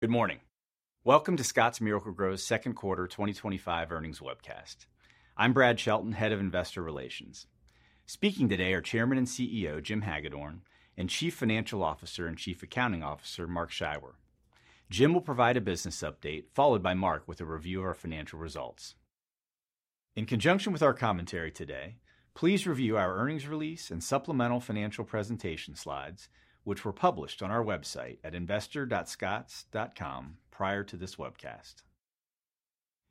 Good morning. Welcome to Scotts Miracle-Gro's second quarter 2025 earnings webcast. I'm Brad Shelton, Head of Investor Relations. Speaking today are Chairman and CEO Jim Hagedorn and Chief Financial Officer and Chief Accounting Officer Mark Scheiwer. Jim will provide a business update, followed by Mark with a review of our financial results. In conjunction with our commentary today, please review our earnings release and supplemental financial presentation slides, which were published on our website at investor.scotts.com prior to this webcast.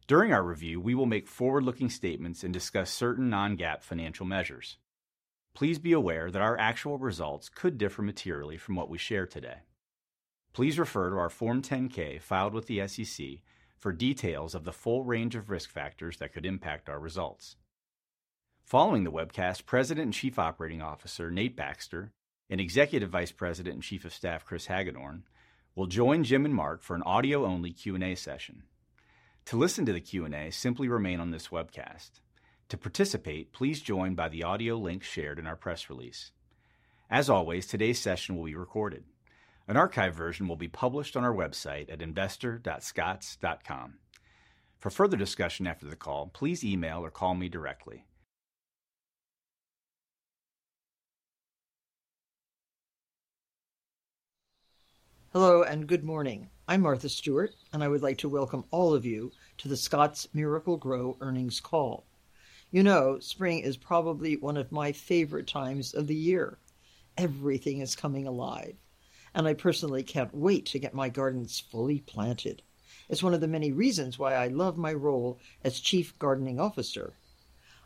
During our review, we will make forward-looking statements and discuss certain non-GAAP financial measures. Please be aware that our actual results could differ materially from what we share today. Please refer to our Form 10-K filed with the SEC for details of the full range of risk factors that could impact our results. Following the webcast, President and Chief Operating Officer Nate Baxter and Executive Vice President and Chief of Staff Chris Hagedorn will join Jim and Mark for an audio-only Q&A session. To listen to the Q&A, simply remain on this webcast. To participate, please join by the audio link shared in our press release. As always, today's session will be recorded. An archived version will be published on our website at investor.scotts.com. For further discussion after the call, please email or call me directly. Hello and good morning. I'm Martha Stewart, and I would like to welcome all of you to the Scotts Miracle-Gro earnings call. You know, spring is probably one of my favorite times of the year. Everything is coming alive, and I personally can't wait to get my gardens fully planted. It's one of the many reasons why I love my role as Chief Gardening Officer.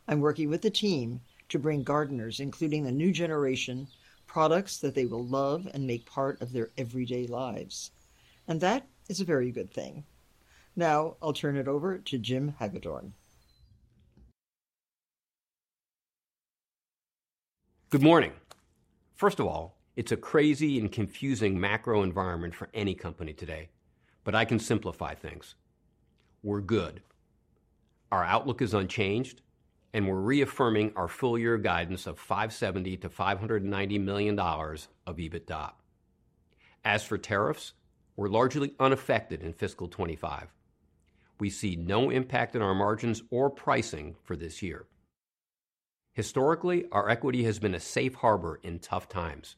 I'm working with the team to bring gardeners, including the new generation, products that they will love and make part of their everyday lives. That is a very good thing. Now I'll turn it over to Jim Hagedorn. Good morning. First of all, it's a crazy and confusing macro environment for any company today, but I can simplify things. We're good. Our outlook is unchanged, and we're reaffirming our full year guidance of $570-$590 million of EBITDA. As for tariffs, we're largely unaffected in fiscal 2025. We see no impact in our margins or pricing for this year. Historically, our equity has been a safe harbor in tough times.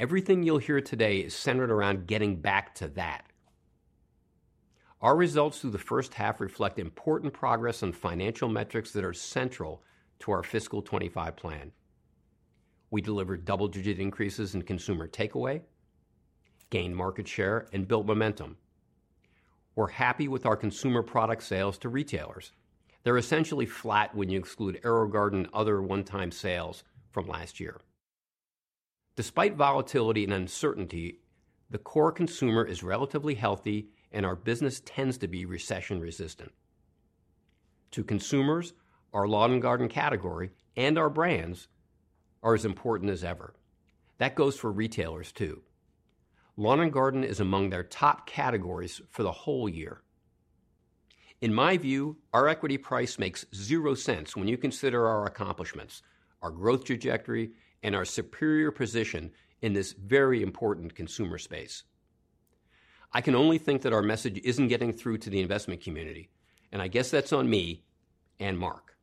Everything you'll hear today is centered around getting back to that. Our results through the first half reflect important progress on financial metrics that are central to our fiscal 2025 plan. We delivered double-digit increases in consumer takeaway, gained market share, and built momentum. We're happy with our consumer product sales to retailers. They're essentially flat when you exclude AeroGarden and other one-time sales from last year. Despite volatility and uncertainty, the core consumer is relatively healthy, and our business tends to be recession resistant. To consumers, our lawn and garden category and our brands are as important as ever. That goes for retailers too. Lawn and garden is among their top categories for the whole year. In my view, our equity price makes zero sense when you consider our accomplishments, our growth trajectory, and our superior position in this very important consumer space. I can only think that our message is not getting through to the investment community, and I guess that is on me and Mark.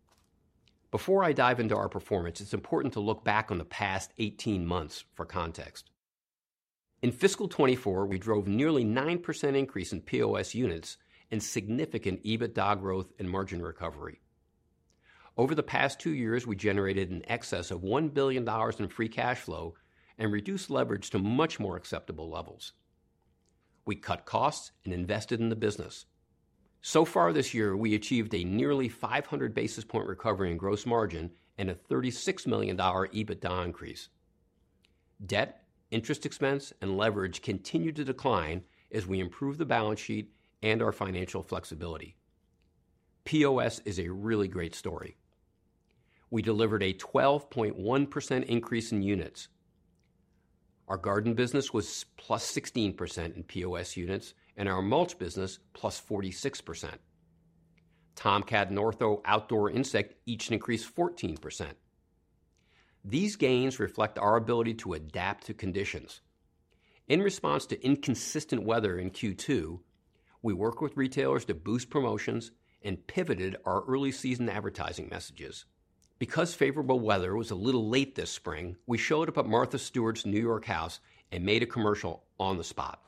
Before I dive into our performance, it is important to look back on the past 18 months for context. In fiscal 2024, we drove nearly 9% increase in POS units and significant EBITDA growth and margin recovery. Over the past two years, we generated in excess of $1 billion in free cash flow and reduced leverage to much more acceptable levels. We cut costs and invested in the business. So far this year, we achieved a nearly 500 basis point recovery in gross margin and a $36 million EBITDA increase. Debt, interest expense, and leverage continue to decline as we improve the balance sheet and our financial flexibility. POS is a really great story. We delivered a 12.1% increase in units. Our garden business was plus 16% in POS units and our mulch business plus 46%. Tomcat and Ortho Outdoor Insect each increased 14%. These gains reflect our ability to adapt to conditions. In response to inconsistent weather in Q2, we worked with retailers to boost promotions and pivoted our early season advertising messages. Because favorable weather was a little late this spring, we showed up at Martha Stewart's New York house and made a commercial on the spot.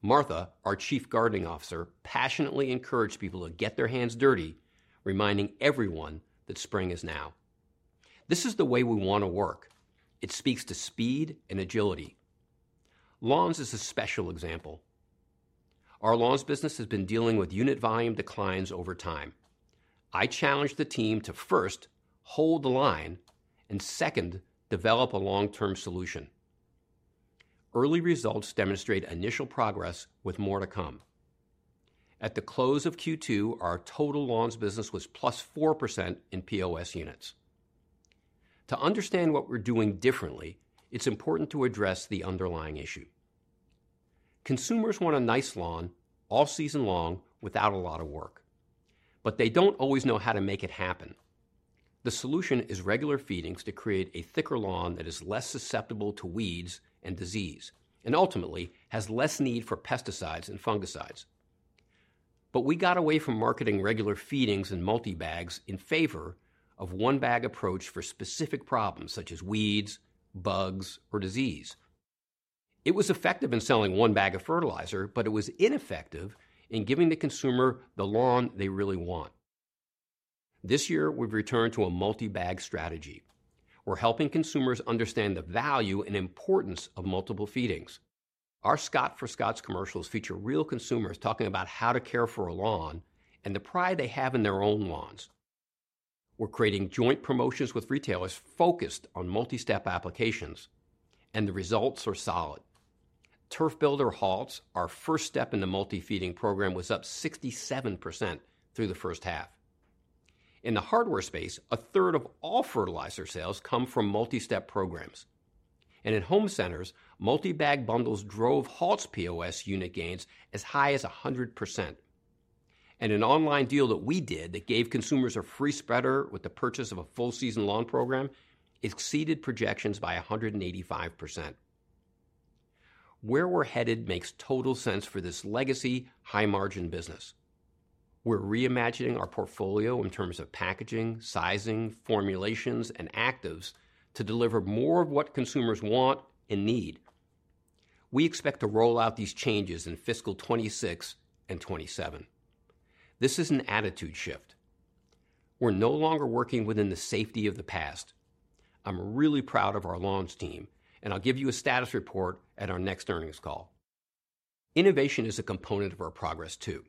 Martha, our Chief Gardening Officer, passionately encouraged people to get their hands dirty, reminding everyone that spring is now. This is the way we want to work. It speaks to speed and agility. Lawns is a special example. Our lawns business has been dealing with unit volume declines over time. I challenged the team to first hold the line and second, develop a long-term solution. Early results demonstrate initial progress with more to come. At the close of Q2, our total lawns business was plus 4% in POS units. To understand what we're doing differently, it's important to address the underlying issue. Consumers want a nice lawn all season long without a lot of work, but they don't always know how to make it happen. The solution is regular feedings to create a thicker lawn that is less susceptible to weeds and disease and ultimately has less need for pesticides and fungicides. We got away from marketing regular feedings and multi-bags in favor of one-bag approach for specific problems such as weeds, bugs, or disease. It was effective in selling one bag of fertilizer, but it was ineffective in giving the consumer the lawn they really want. This year, we've returned to a multi-bag strategy. We're helping consumers understand the value and importance of multiple feedings. Our Scotts for Scotts commercials feature real consumers talking about how to care for a lawn and the pride they have in their own lawns. We're creating joint promotions with retailers focused on multi-step applications, and the results are solid. Turf Builder, our first step in the multi-feeding program, was up 67% through the first half. In the hardware space, a third of all fertilizer sales come from multi-step programs. In home centers, multi-bag bundles drove Halls POS unit gains as high as 100%. An online deal that we did that gave consumers a free spreader with the purchase of a full season lawn program exceeded projections by 185%. Where we're headed makes total sense for this legacy high-margin business. We're reimagining our portfolio in terms of packaging, sizing, formulations, and actives to deliver more of what consumers want and need. We expect to roll out these changes in fiscal 2026 and 2027. This is an attitude shift. We're no longer working within the safety of the past. I'm really proud of our lawns team, and I'll give you a status report at our next earnings call. Innovation is a component of our progress too.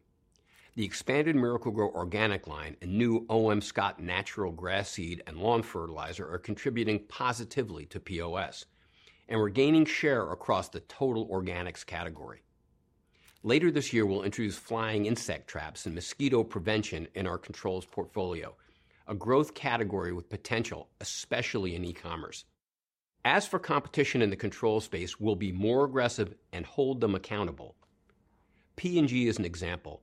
The expanded Miracle-Gro Organic line and new O.M. Scott's natural grass seed and lawn fertilizer are contributing positively to POS, and we're gaining share across the total organics category. Later this year, we'll introduce flying insect traps and mosquito prevention in our controls portfolio, a growth category with potential, especially in e-commerce. As for competition in the controls space, we'll be more aggressive and hold them accountable. P&G is an example.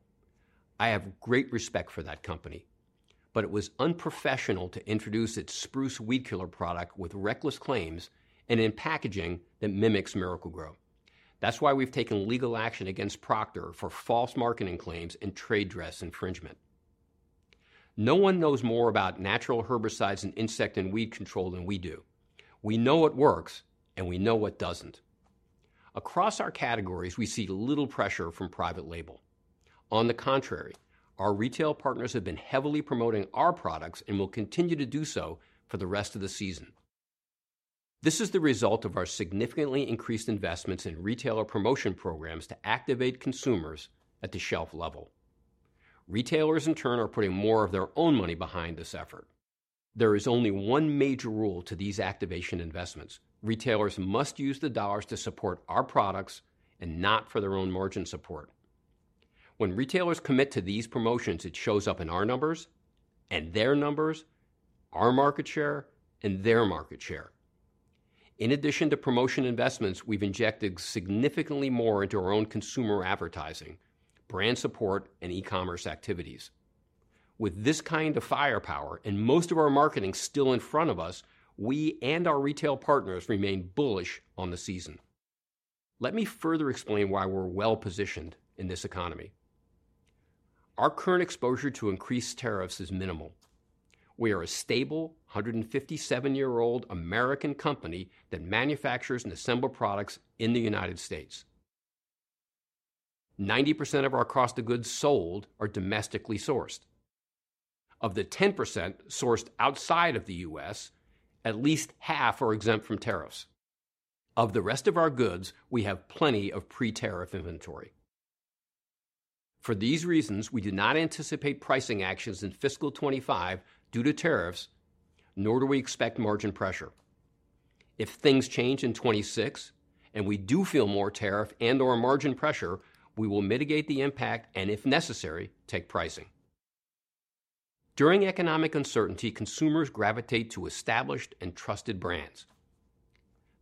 I have great respect for that company, but it was unprofessional to introduce its spruce weed killer product with reckless claims and in packaging that mimics Miracle-Gro. That's why we've taken legal action against Procter & Gamble for false marketing claims and trade dress infringement. No one knows more about natural herbicides and insect and weed control than we do. We know what works, and we know what doesn't. Across our categories, we see little pressure from private label. On the contrary, our retail partners have been heavily promoting our products and will continue to do so for the rest of the season. This is the result of our significantly increased investments in retailer promotion programs to activate consumers at the shelf level. Retailers, in turn, are putting more of their own money behind this effort. There is only one major rule to these activation investments. Retailers must use the dollars to support our products and not for their own margin support. When retailers commit to these promotions, it shows up in our numbers and their numbers, our market share, and their market share. In addition to promotion investments, we've injected significantly more into our own consumer advertising, brand support, and e-commerce activities. With this kind of firepower and most of our marketing still in front of us, we and our retail partners remain bullish on the season. Let me further explain why we're well positioned in this economy. Our current exposure to increased tariffs is minimal. We are a stable 157-year-old American company that manufactures and assembles products in the United States. 90% of our cost of goods sold are domestically sourced. Of the 10% sourced outside of the U.S., at least half are exempt from tariffs. Of the rest of our goods, we have plenty of pre-tariff inventory. For these reasons, we do not anticipate pricing actions in fiscal 2025 due to tariffs, nor do we expect margin pressure. If things change in 2026 and we do feel more tariff and/or margin pressure, we will mitigate the impact and, if necessary, take pricing. During economic uncertainty, consumers gravitate to established and trusted brands.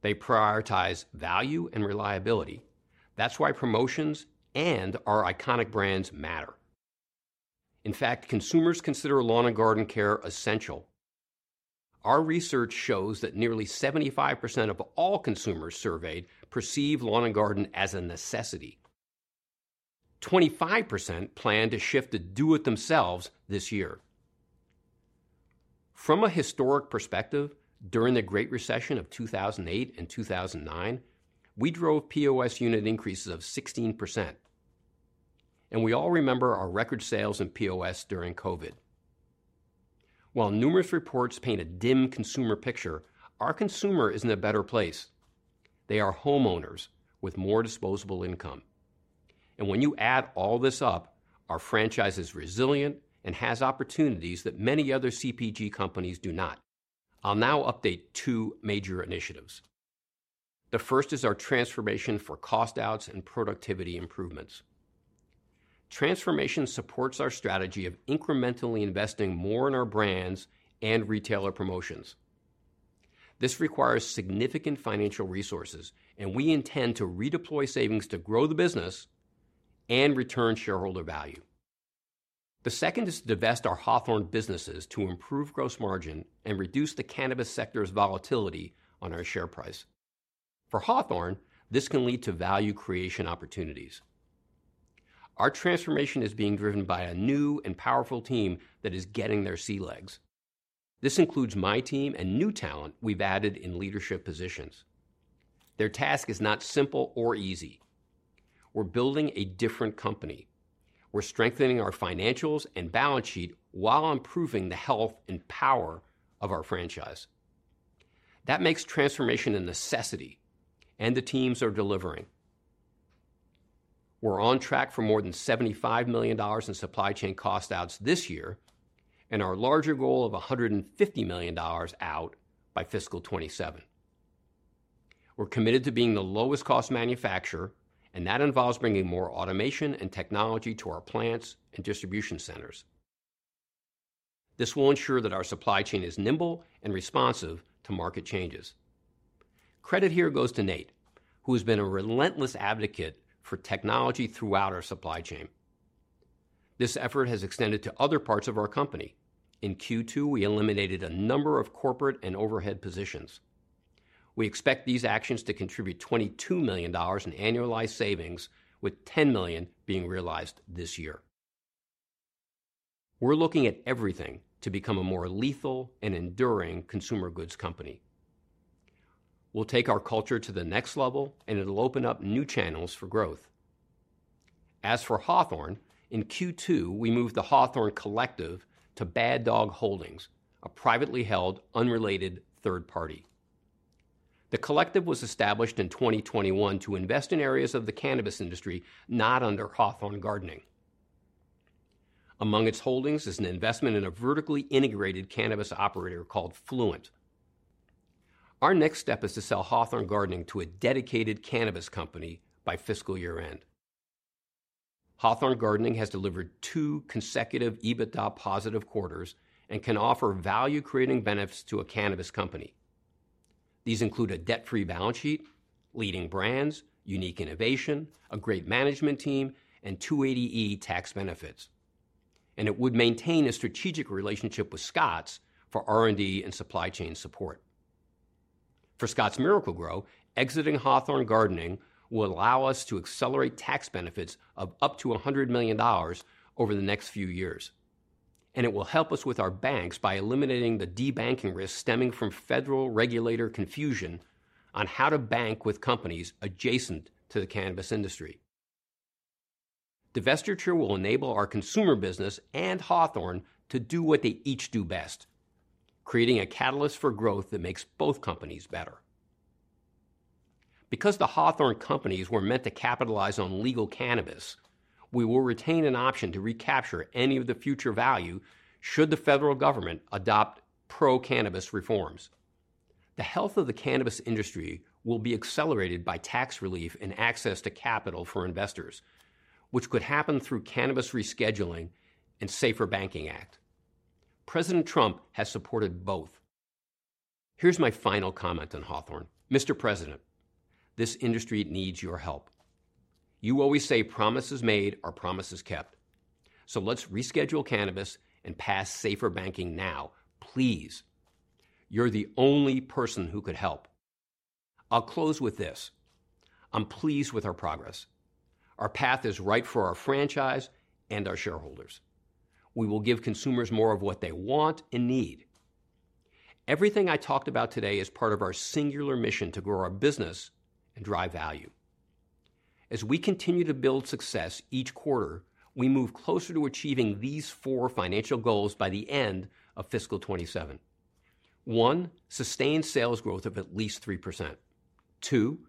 They prioritize value and reliability. That's why promotions and our iconic brands matter. In fact, consumers consider lawn and garden care essential. Our research shows that nearly 75% of all consumers surveyed perceive lawn and garden as a necessity. 25% plan to shift to do-it-themselves this year. From a historic perspective, during the Great Recession of 2008 and 2009, we drove POS unit increases of 16%. We all remember our record sales in POS during COVID. While numerous reports paint a dim consumer picture, our consumer is in a better place. They are homeowners with more disposable income. When you add all this up, our franchise is resilient and has opportunities that many other CPG companies do not. I'll now update two major initiatives. The first is our transformation for cost outs and productivity improvements. Transformation supports our strategy of incrementally investing more in our brands and retailer promotions. This requires significant financial resources, and we intend to redeploy savings to grow the business and return shareholder value. The second is to divest our Hawthorne businesses to improve gross margin and reduce the cannabis sector's volatility on our share price. For Hawthorne, this can lead to value creation opportunities. Our transformation is being driven by a new and powerful team that is getting their sea legs. This includes my team and new talent we've added in leadership positions. Their task is not simple or easy. We're building a different company. We're strengthening our financials and balance sheet while improving the health and power of our franchise. That makes transformation a necessity, and the teams are delivering. We're on track for more than $75 million in supply chain cost outs this year and our larger goal of $150 million out by fiscal 2027. We're committed to being the lowest-cost manufacturer, and that involves bringing more automation and technology to our plants and distribution centers. This will ensure that our supply chain is nimble and responsive to market changes. Credit here goes to Nate, who has been a relentless advocate for technology throughout our supply chain. This effort has extended to other parts of our company. In Q2, we eliminated a number of corporate and overhead positions. We expect these actions to contribute $22 million in annualized savings, with $10 million being realized this year. We're looking at everything to become a more lethal and enduring consumer goods company. We'll take our culture to the next level, and it'll open up new channels for growth. As for Hawthorne, in Q2, we moved the Hawthorne Collective to Bad Dog Holdings, a privately held unrelated third party. The Collective was established in 2021 to invest in areas of the cannabis industry not under Hawthorne Gardening. Among its holdings is an investment in a vertically integrated cannabis operator called Fluent. Our next step is to sell Hawthorne Gardening to a dedicated cannabis company by fiscal year end. Hawthorne Gardening has delivered two consecutive EBITDA positive quarters and can offer value-creating benefits to a cannabis company. These include a debt-free balance sheet, leading brands, unique innovation, a great management team, and 280E tax benefits. It would maintain a strategic relationship with Scotts for R&D and supply chain support. For Scotts Miracle-Gro, exiting Hawthorne Gardening will allow us to accelerate tax benefits of up to $100 million over the next few years. It will help us with our banks by eliminating the de-banking risk stemming from federal regulator confusion on how to bank with companies adjacent to the cannabis industry. Divestiture will enable our consumer business and Hawthorne to do what they each do best, creating a catalyst for growth that makes both companies better. Because the Hawthorne companies were meant to capitalize on legal cannabis, we will retain an option to recapture any of the future value should the federal government adopt pro-cannabis reforms. The health of the cannabis industry will be accelerated by tax relief and access to capital for investors, which could happen through cannabis rescheduling and Safer Banking Act. President Trump has supported both. Here's my final comment on Hawthorne. Mr. President, this industry needs your help. You always say promises made are promises kept. Let's reschedule cannabis and pass Safer Banking now, please. You're the only person who could help. I'll close with this. I'm pleased with our progress. Our path is right for our franchise and our shareholders. We will give consumers more of what they want and need. Everything I talked about today is part of our singular mission to grow our business and drive value. As we continue to build success each quarter, we move closer to achieving these four financial goals by the end of fiscal 2027. One, sustained sales growth of at least 3%. Two,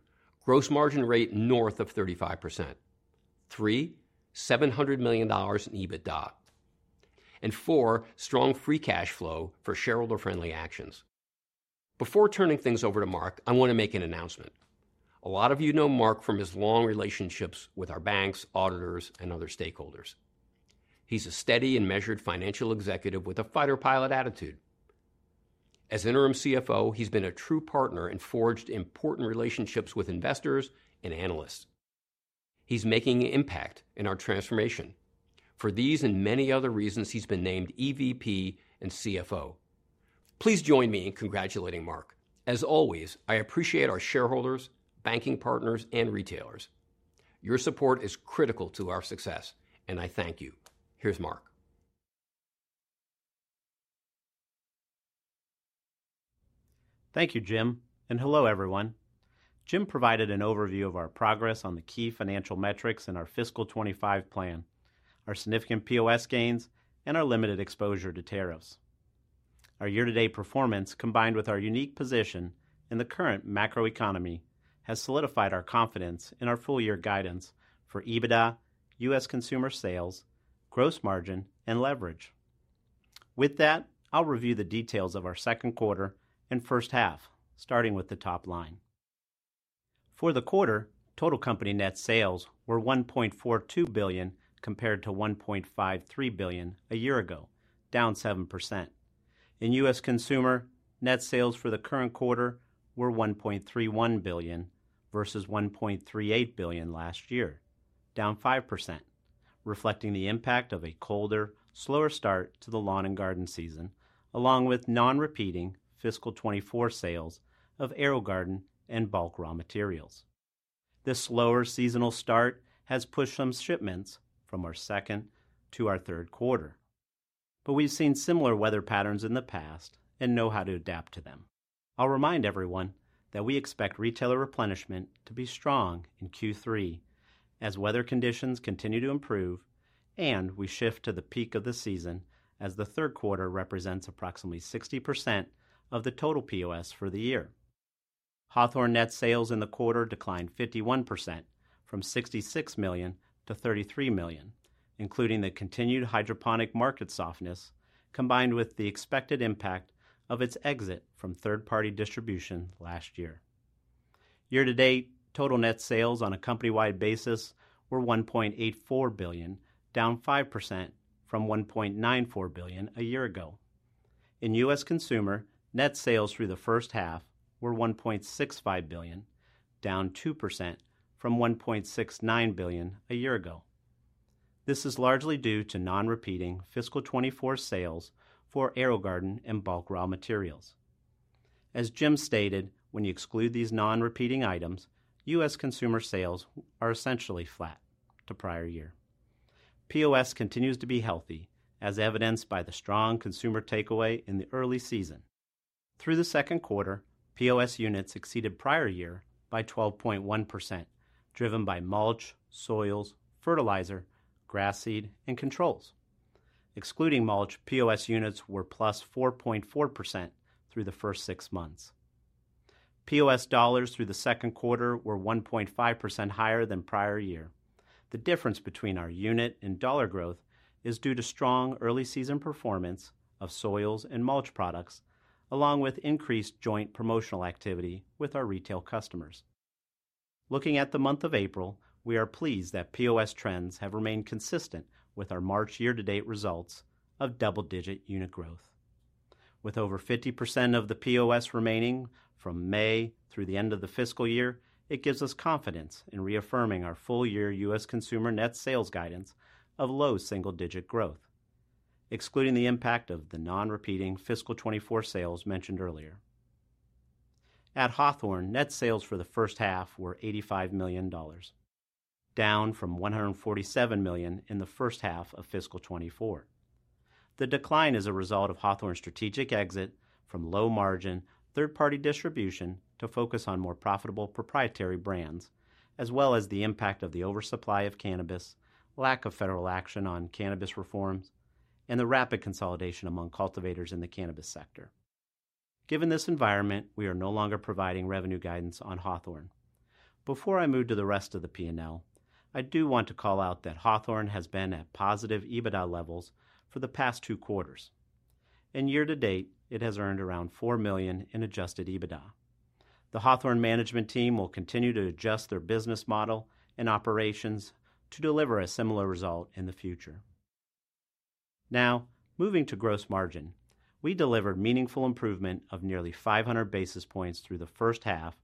gross margin rate north of 35%. Three, $700 million in EBITDA. And four, strong free cash flow for shareholder-friendly actions. Before turning things over to Mark, I want to make an announcement. A lot of you know Mark from his long relationships with our banks, auditors, and other stakeholders. He's a steady and measured financial executive with a fighter pilot attitude. As interim CFO, he's been a true partner and forged important relationships with investors and analysts. He's making an impact in our transformation. For these and many other reasons, he's been named EVP and CFO. Please join me in congratulating Mark. As always, I appreciate our shareholders, banking partners, and retailers. Your support is critical to our success, and I thank you. Here's Mark. Thank you, Jim. Hello, everyone. Jim provided an overview of our progress on the key financial metrics in our fiscal 2025 plan, our significant POS gains, and our limited exposure to tariffs. Our year-to-date performance, combined with our unique position in the current macroeconomy, has solidified our confidence in our full-year guidance for EBITDA, US consumer sales, gross margin, and leverage. With that, I'll review the details of our second quarter and first half, starting with the top line. For the quarter, total company net sales were $1.42 billion compared to $1.53 billion a year ago, down 7%. In U.S. consumer net sales for the current quarter were $1.31 billion versus $1.38 billion last year, down 5%, reflecting the impact of a colder, slower start to the lawn and garden season, along with non-repeating fiscal 2024 sales of AeroGarden and bulk raw materials. This slower seasonal start has pushed some shipments from our second to our third quarter. We have seen similar weather patterns in the past and know how to adapt to them. I'll remind everyone that we expect retailer replenishment to be strong in Q3 as weather conditions continue to improve and we shift to the peak of the season as the third quarter represents approximately 60% of the total POS for the year. Hawthorne net sales in the quarter declined 51% from $66 million to $33 million, including the continued hydroponic market softness combined with the expected impact of its exit from third-party distribution last year. Year-to-date, total net sales on a company-wide basis were $1.84 billion, down 5% from $1.94 billion a year ago. In US consumer net sales through the first half were $1.65 billion, down 2% from $1.69 billion a year ago. This is largely due to non-repeating fiscal 2024 sales for AeroGarden and bulk raw materials. As Jim stated, when you exclude these non-repeating items, US consumer sales are essentially flat to prior year. POS continues to be healthy, as evidenced by the strong consumer takeaway in the early season. Through the second quarter, POS units exceeded prior year by 12.1%, driven by mulch, soils, fertilizer, grass seed, and controls. Excluding mulch, POS units were plus 4.4% through the first six months. POS dollars through the second quarter were 1.5% higher than prior year. The difference between our unit and dollar growth is due to strong early season performance of soils and mulch products, along with increased joint promotional activity with our retail customers. Looking at the month of April, we are pleased that POS trends have remained consistent with our March year-to-date results of double-digit unit growth. With over 50% of the POS remaining from May through the end of the fiscal year, it gives us confidence in reaffirming our full-year US consumer net sales guidance of low single-digit growth, excluding the impact of the non-repeating fiscal 2024 sales mentioned earlier. At Hawthorne, net sales for the first half were $85 million, down from $147 million in the first half of fiscal 2024. The decline is a result of Hawthorne's strategic exit from low margin, third-party distribution to focus on more profitable proprietary brands, as well as the impact of the oversupply of cannabis, lack of federal action on cannabis reforms, and the rapid consolidation among cultivators in the cannabis sector. Given this environment, we are no longer providing revenue guidance on Hawthorne. Before I move to the rest of the P&L, I do want to call out that Hawthorne has been at positive EBITDA levels for the past two quarters. In year-to-date, it has earned around $4 million in adjusted EBITDA. The Hawthorne management team will continue to adjust their business model and operations to deliver a similar result in the future. Now, moving to gross margin, we delivered meaningful improvement of nearly 500 basis points through the first half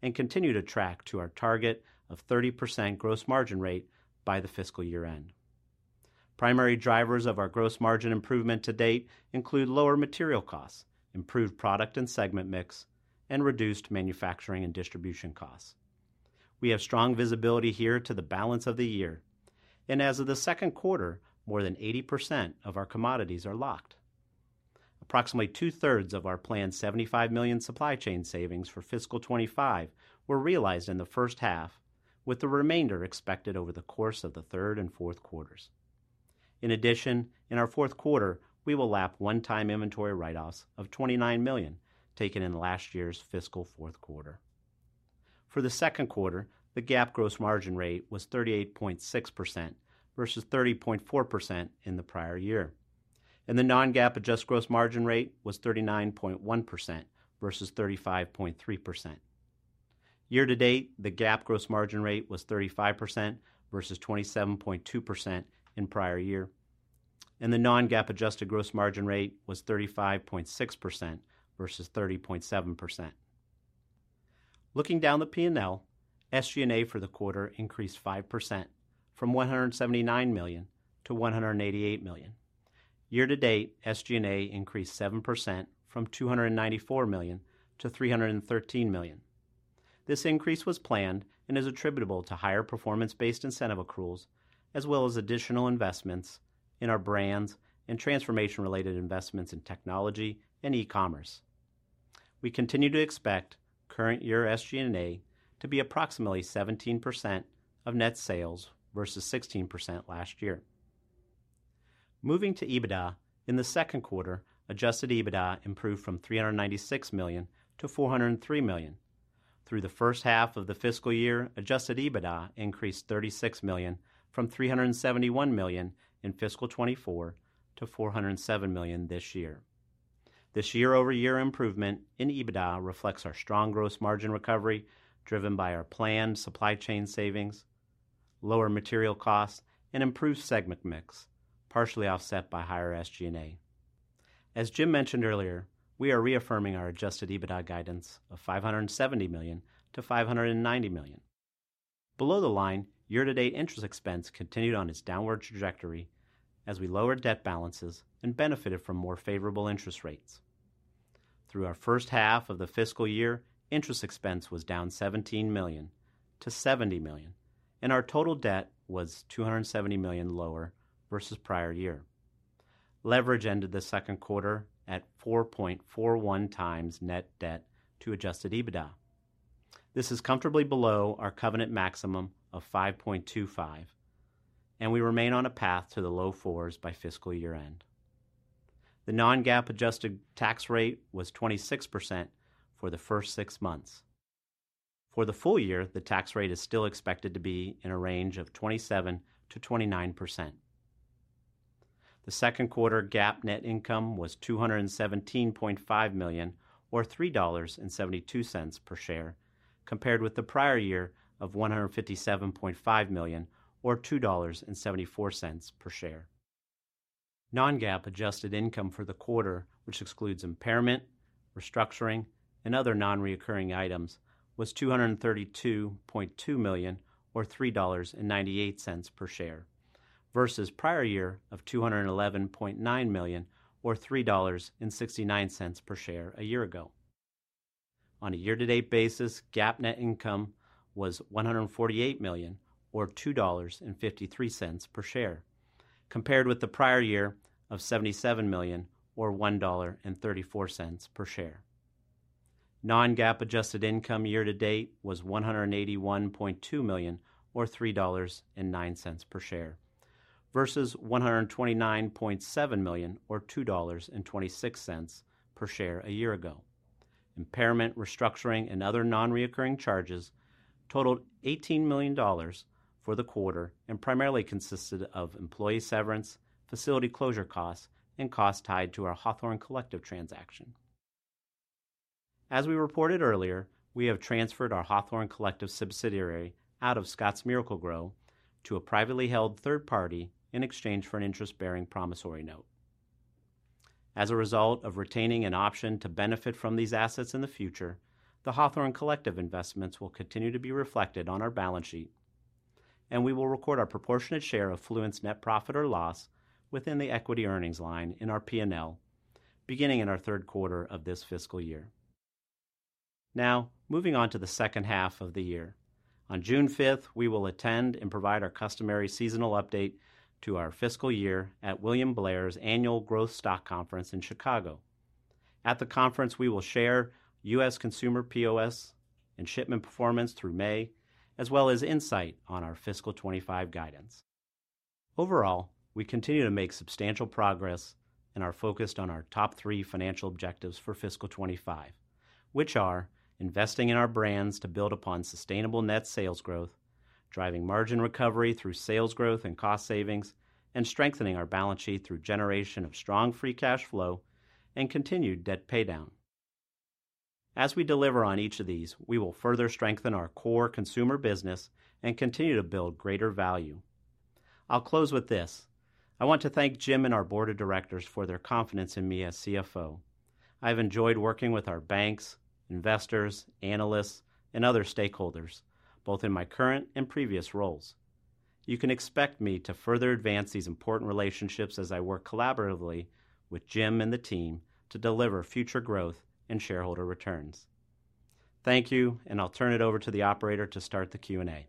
and continue to track to our target of 30% gross margin rate by the fiscal year end. Primary drivers of our gross margin improvement to date include lower material costs, improved product and segment mix, and reduced manufacturing and distribution costs. We have strong visibility here to the balance of the year. As of the second quarter, more than 80% of our commodities are locked. Approximately two-thirds of our planned $75 million supply chain savings for fiscal 2025 were realized in the first half, with the remainder expected over the course of the third and fourth quarters. In addition, in our fourth quarter, we will lap one-time inventory write-offs of $29 million taken in last year's fiscal fourth quarter. For the second quarter, the GAAP gross margin rate was 38.6% versus 30.4% in the prior year. The non-GAAP adjusted gross margin rate was 39.1% versus 35.3%. Year-to-date, the GAAP gross margin rate was 35% versus 27.2% in the prior year. The non-GAAP adjusted gross margin rate was 35.6% versus 30.7%. Looking down the P&L, SG&A for the quarter increased 5% from $179 million to $188 million. Year-to-date, SG&A increased 7% from $294 million to $313 million. This increase was planned and is attributable to higher performance-based incentive accruals, as well as additional investments in our brands and transformation-related investments in technology and e-commerce. We continue to expect current year SG&A to be approximately 17% of net sales versus 16% last year. Moving to EBITDA, in the second quarter, adjusted EBITDA improved from $396 million to $403 million. Through the first half of the fiscal year, adjusted EBITDA increased $36 million from $371 million in fiscal 2024 to $407 million this year. This year-over-year improvement in EBITDA reflects our strong gross margin recovery driven by our planned supply chain savings, lower material costs, and improved segment mix, partially offset by higher SG&A. As Jim mentioned earlier, we are reaffirming our adjusted EBITDA guidance of $570 million-$590 million. Below the line, year-to-date interest expense continued on its downward trajectory as we lowered debt balances and benefited from more favorable interest rates. Through our first half of the fiscal year, interest expense was down $17 million to $70 million, and our total debt was $270 million lower versus prior year. Leverage ended the second quarter at 4.41 times net debt to adjusted EBITDA. This is comfortably below our covenant maximum of 5.25, and we remain on a path to the low fours by fiscal year end. The non-GAAP adjusted tax rate was 26% for the first six months. For the full year, the tax rate is still expected to be in a range of 27%-29%. The second quarter GAAP net income was $217.5 million, or $3.72 per share, compared with the prior year of $157.5 million, or $2.74 per share. Non-GAAP adjusted income for the quarter, which excludes impairment, restructuring, and other non-recurring items, was $232.2 million, or $3.98 per share, versus prior year of $211.9 million, or $3.69 per share a year ago. On a year-to-date basis, GAAP net income was $148 million, or $2.53 per share, compared with the prior year of $77 million, or $1.34 per share. Non-GAAP adjusted income year-to-date was $181.2 million, or $3.09 per share, versus $129.7 million, or $2.26 per share a year ago. Impairment, restructuring, and other non-recurring charges totaled $18 million for the quarter and primarily consisted of employee severance, facility closure costs, and costs tied to our Hawthorne Collective transaction. As we reported earlier, we have transferred our Hawthorne Collective subsidiary out of Scotts Miracle-Gro to a privately held third party in exchange for an interest-bearing promissory note. As a result of retaining an option to benefit from these assets in the future, the Hawthorne Collective investments will continue to be reflected on our balance sheet, and we will record our proportionate share of Fluent net profit or loss within the equity earnings line in our P&L, beginning in our third quarter of this fiscal year. Now, moving on to the second half of the year. On June 5th, we will attend and provide our customary seasonal update to our fiscal year at William Blair's annual Growth Stock Conference in Chicago. At the conference, we will share US consumer POS and shipment performance through May, as well as insight on our fiscal 2025 guidance. Overall, we continue to make substantial progress and are focused on our top three financial objectives for fiscal 2025, which are investing in our brands to build upon sustainable net sales growth, driving margin recovery through sales growth and cost savings, and strengthening our balance sheet through generation of strong free cash flow and continued debt paydown. As we deliver on each of these, we will further strengthen our core consumer business and continue to build greater value. I'll close with this. I want to thank Jim and our board of directors for their confidence in me as CFO. I have enjoyed working with our banks, investors, analysts, and other stakeholders, both in my current and previous roles. You can expect me to further advance these important relationships as I work collaboratively with Jim and the team to deliver future growth and shareholder returns. Thank you, and I'll turn it over to the operator to start the Q&A.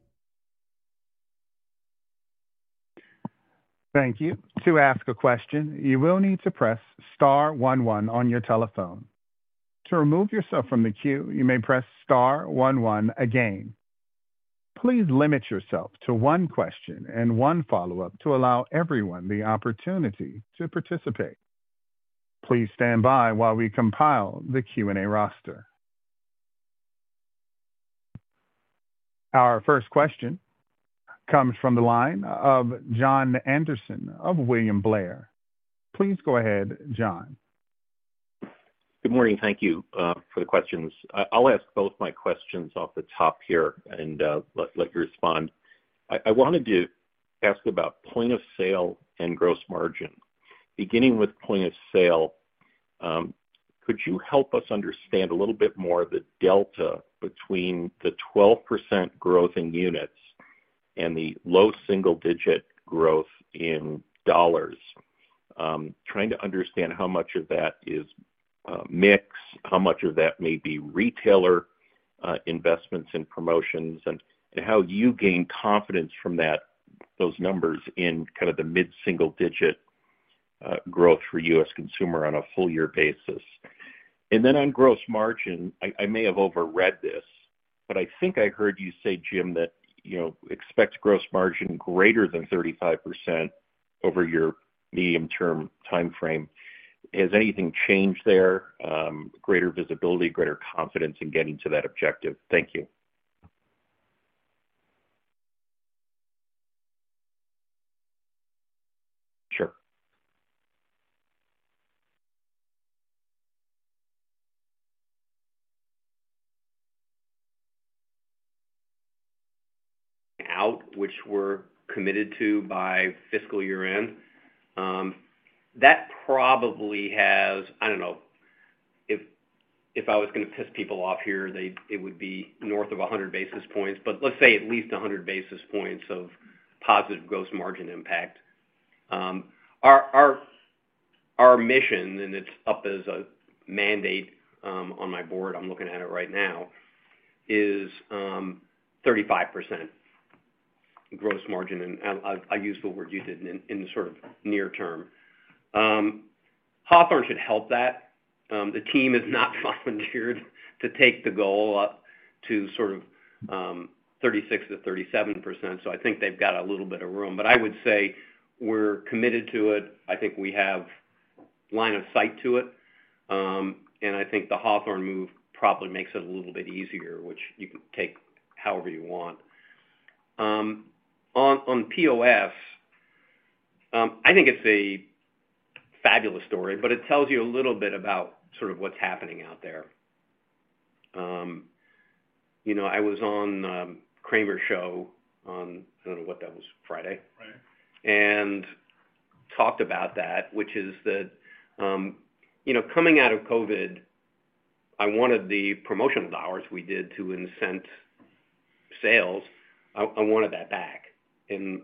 Thank you. To ask a question, you will need to press star 11 on your telephone. To remove yourself from the queue, you may press star 11 again. Please limit yourself to one question and one follow-up to allow everyone the opportunity to participate. Please stand by while we compile the Q&A roster. Our first question comes from the line of John Anderson of William Blair. Please go ahead, John. Good morning. Thank you for the questions. I'll ask both my questions off the top here and let you respond. I wanted to ask about point of sale and gross margin. Beginning with point of sale, could you help us understand a little bit more of the delta between the 12% growth in units and the low single-digit growth in dollars? Trying to understand how much of that is mix, how much of that may be retailer investments and promotions, and how you gain confidence from those numbers in kind of the mid-single-digit growth for US consumer on a full-year basis. On gross margin, I may have overread this, but I think I heard you say, Jim, that expect gross margin greater than 35% over your medium-term timeframe. Has anything changed there? Greater visibility, greater confidence in getting to that objective. Thank you. Sure. Out, which we're committed to by fiscal year end. That probably has, I don't know, if I was going to piss people off here, it would be north of 100 basis points, but let's say at least 100 basis points of positive gross margin impact. Our mission, and it's up as a mandate on my board, I'm looking at it right now, is 35% gross margin, and I'll use the word you did in the sort of near term. Hawthorne should help that. The team has not volunteered to take the goal up to sort of 36% to 37%, so I think they've got a little bit of room. I would say we're committed to it. I think we have line of sight to it, and I think the Hawthorne move probably makes it a little bit easier, which you can take however you want. On POS, I think it's a fabulous story, but it tells you a little bit about sort of what's happening out there. I was on Cramer Show on, I don't know what that was, Friday, and talked about that, which is that coming out of COVID, I wanted the promotional dollars we did to incent sales. I wanted that back.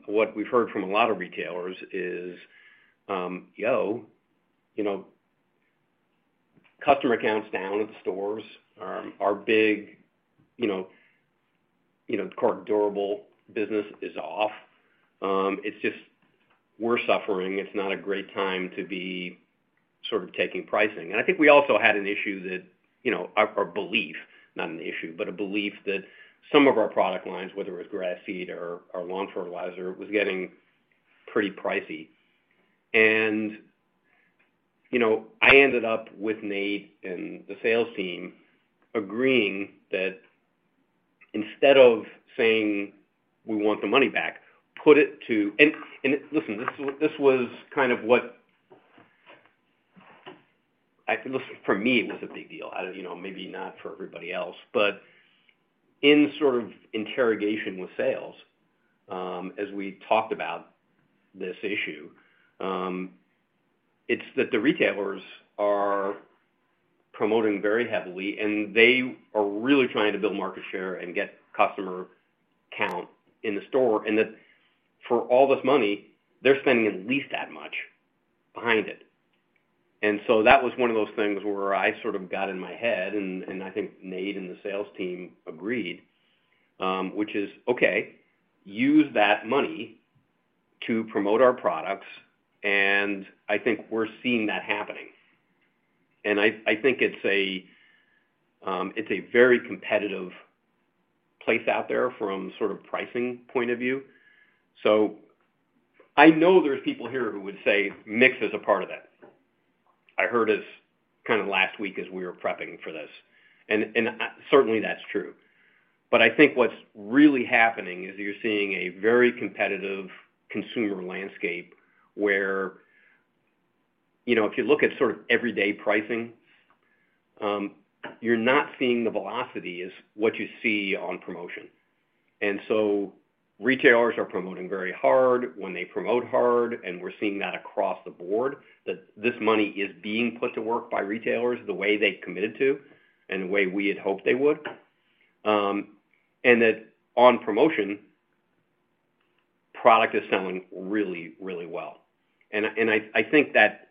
What we've heard from a lot of retailers is, "Yo, customer counts down at the stores. Our big card durable business is off. It's just we're suffering. It's not a great time to be sort of taking pricing." I think we also had an issue that our belief, not an issue, but a belief that some of our product lines, whether it was grass seed or lawn fertilizer, was getting pretty pricey. I ended up with Nate and the sales team agreeing that instead of saying, "We want the money back," put it to, and listen, this was kind of what, for me, it was a big deal. Maybe not for everybody else, but in sort of interrogation with sales, as we talked about this issue, it's that the retailers are promoting very heavily, and they are really trying to build market share and get customer count in the store, and that for all this money, they're spending at least that much behind it. That was one of those things where I sort of got in my head, and I think Nate and the sales team agreed, which is, "Okay, use that money to promote our products," and I think we're seeing that happening. I think it is a very competitive place out there from sort of a pricing point of view. I know there are people here who would say mix is a part of that. I heard this kind of last week as we were prepping for this, and certainly that is true. I think what is really happening is you are seeing a very competitive consumer landscape where if you look at sort of everyday pricing, you are not seeing the velocity as what you see on promotion. Retailers are promoting very hard when they promote hard, and we are seeing that across the board, that this money is being put to work by retailers the way they committed to and the way we had hoped they would, and that on promotion, product is selling really, really well. I think that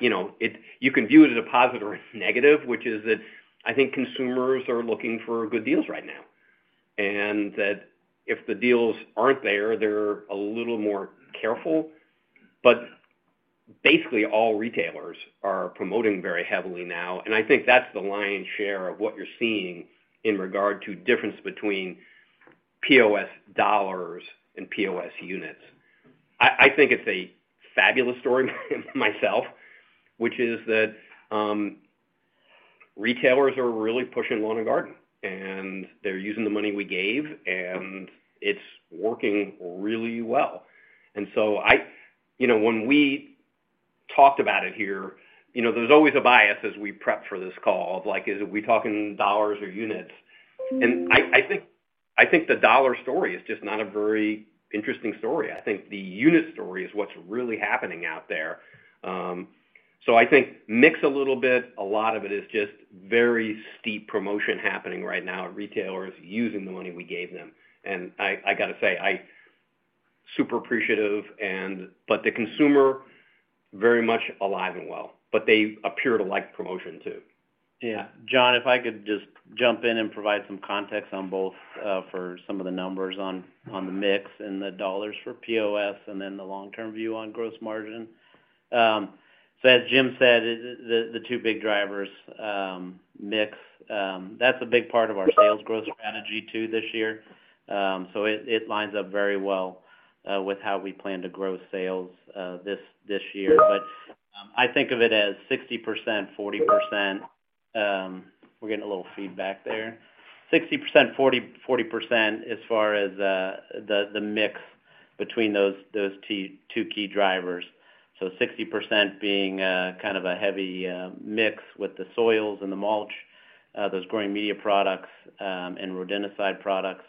you can view it as a positive or negative, which is that I think consumers are looking for good deals right now, and that if the deals aren't there, they're a little more careful. Basically, all retailers are promoting very heavily now, and I think that's the lion's share of what you're seeing in regard to difference between POS dollars and POS units. I think it's a fabulous story myself, which is that retailers are really pushing Lawn and Garden, and they're using the money we gave, and it's working really well. When we talked about it here, there's always a bias as we prep for this call of like, "Is it we talking dollars or units?" I think the dollar story is just not a very interesting story. I think the unit story is what's really happening out there. I think mix a little bit. A lot of it is just very steep promotion happening right now. Retailers using the money we gave them. I got to say, I'm super appreciative, but the consumer very much alive and well, but they appear to like promotion too. Yeah. John, if I could just jump in and provide some context on both for some of the numbers on the mix and the dollars for POS and then the long-term view on gross margin. As Jim said, the two big drivers mix. That's a big part of our sales growth strategy too this year. It lines up very well with how we plan to grow sales this year. I think of it as 60%, 40%. We're getting a little feedback there. 60%, 40% as far as the mix between those two key drivers. 60% being kind of a heavy mix with the soils and the mulch, those growing media products and rodenticide products,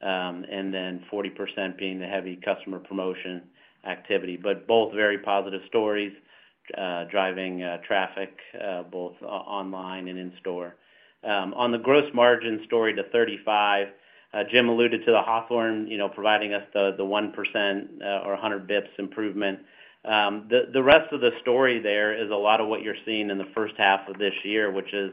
and then 40% being the heavy customer promotion activity. Both very positive stories driving traffic both online and in store. On the gross margin story to 35, Jim alluded to the Hawthorne providing us the 1% or 100 basis points improvement. The rest of the story there is a lot of what you're seeing in the first half of this year, which is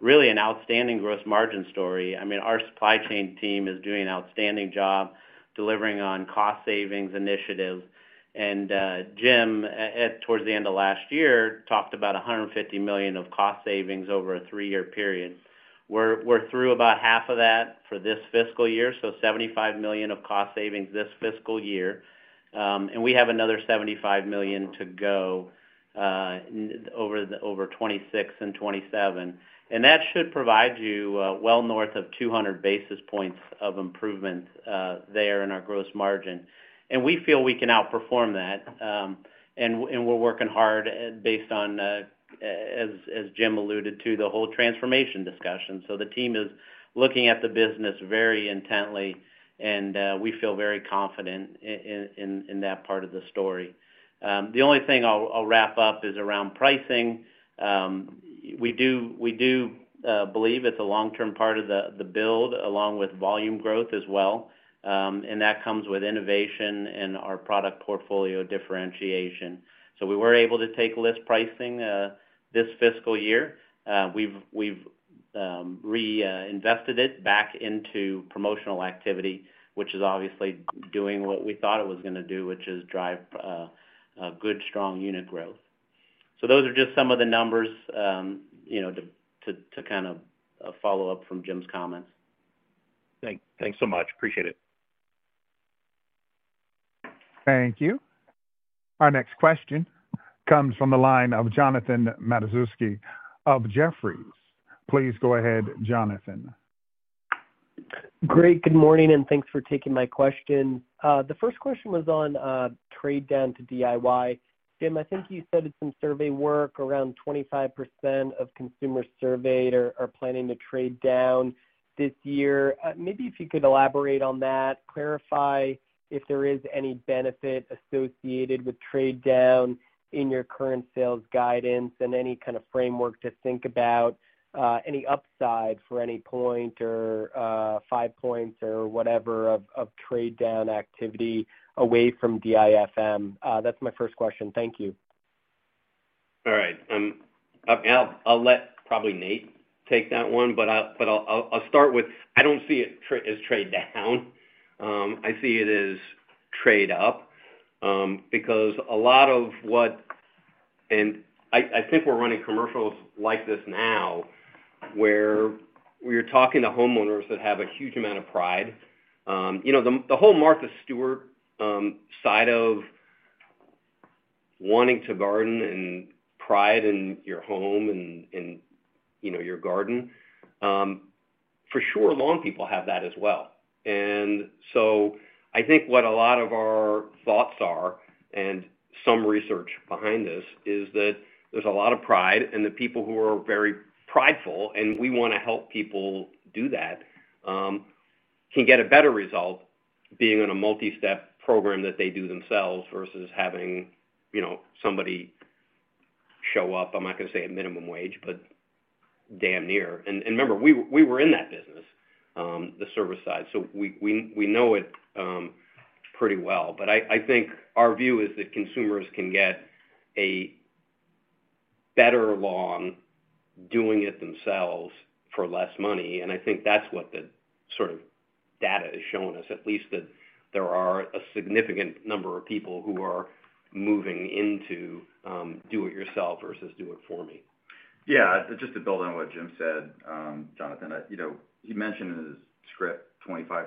really an outstanding gross margin story. I mean, our supply chain team is doing an outstanding job delivering on cost savings initiatives. Jim, towards the end of last year, talked about $150 million of cost savings over a three-year period. We're through about half of that for this fiscal year, so $75 million of cost savings this fiscal year. We have another $75 million to go over 2026 and 2027. That should provide you well north of 200 basis points of improvement there in our gross margin. We feel we can outperform that. We're working hard based on, as Jim alluded to, the whole transformation discussion. The team is looking at the business very intently, and we feel very confident in that part of the story. The only thing I'll wrap up is around pricing. We do believe it's a long-term part of the build along with volume growth as well. That comes with innovation and our product portfolio differentiation. We were able to take list pricing this fiscal year. We've reinvested it back into promotional activity, which is obviously doing what we thought it was going to do, which is drive good, strong unit growth. Those are just some of the numbers to kind of follow up from Jim's comments. Thanks so much. Appreciate it. Thank you. Our next question comes from the line of Jonathan Matuszewski of Jefferies. Please go ahead, Jonathan. Great. Good morning, and thanks for taking my question. The first question was on trade down to DIY. Jim, I think you said in some survey work around 25% of consumers surveyed are planning to trade down this year. Maybe if you could elaborate on that, clarify if there is any benefit associated with trade down in your current sales guidance and any kind of framework to think about any upside for any point or five points or whatever of trade down activity away from DIFM. That's my first question. Thank you. All right. I'll let probably Nate take that one, but I'll start with I don't see it as trade down. I see it as trade up because a lot of what—and I think we're running commercials like this now where we're talking to homeowners that have a huge amount of pride. The whole Martha Stewart side of wanting to garden and pride in your home and your garden, for sure, lawn people have that as well. I think what a lot of our thoughts are and some research behind this is that there's a lot of pride in the people who are very prideful, and we want to help people do that, can get a better result being on a multi-step program that they do themselves versus having somebody show up. I'm not going to say a minimum wage, but damn near. Remember, we were in that business, the service side, so we know it pretty well. I think our view is that consumers can get a better lawn doing it themselves for less money. I think that's what the sort of data is showing us, at least that there are a significant number of people who are moving into do-it-yourself versus do-it-for-me. Yeah. Just to build on what Jim said, Jonathan, he mentioned in his script 25%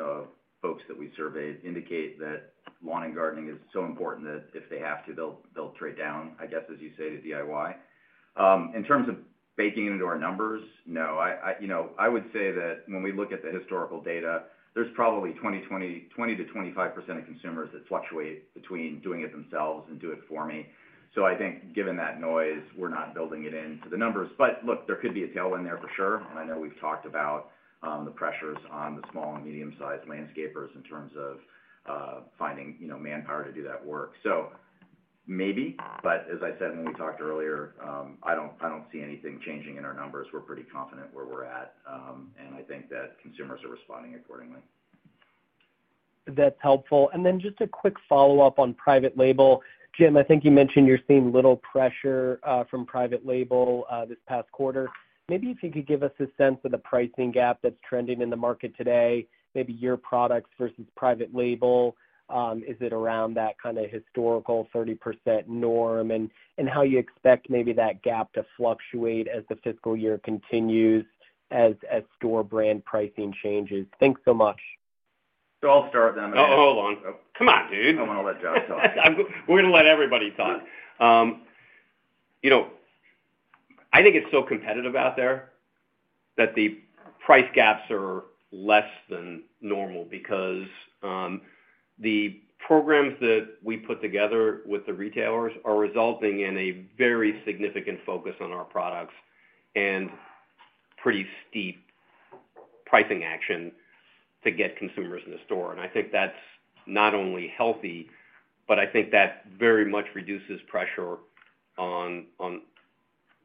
of folks that we surveyed indicate that lawn and gardening is so important that if they have to, they'll trade down, I guess, as you say, to DIY. In terms of baking into our numbers, no. I would say that when we look at the historical data, there's probably 20-25% of consumers that fluctuate between doing it themselves and do-it-for-me. I think given that noise, we're not building it into the numbers. Look, there could be a tailwind there for sure. I know we've talked about the pressures on the small and medium-sized landscapers in terms of finding manpower to do that work. Maybe, but as I said when we talked earlier, I don't see anything changing in our numbers. We're pretty confident where we're at, and I think that consumers are responding accordingly. That's helpful. Just a quick follow-up on private label. Jim, I think you mentioned you're seeing little pressure from private label this past quarter. Maybe if you could give us a sense of the pricing gap that's trending in the market today, maybe your products versus private label, is it around that kind of historical 30% norm and how you expect maybe that gap to fluctuate as the fiscal year continues as store brand pricing changes. Thanks so much. I'll start with that. Oh, hold on. Come on, dude. I want to let John talk. We're going to let everybody talk. I think it's so competitive out there that the price gaps are less than normal because the programs that we put together with the retailers are resulting in a very significant focus on our products and pretty steep pricing action to get consumers in the store. I think that's not only healthy, but I think that very much reduces pressure on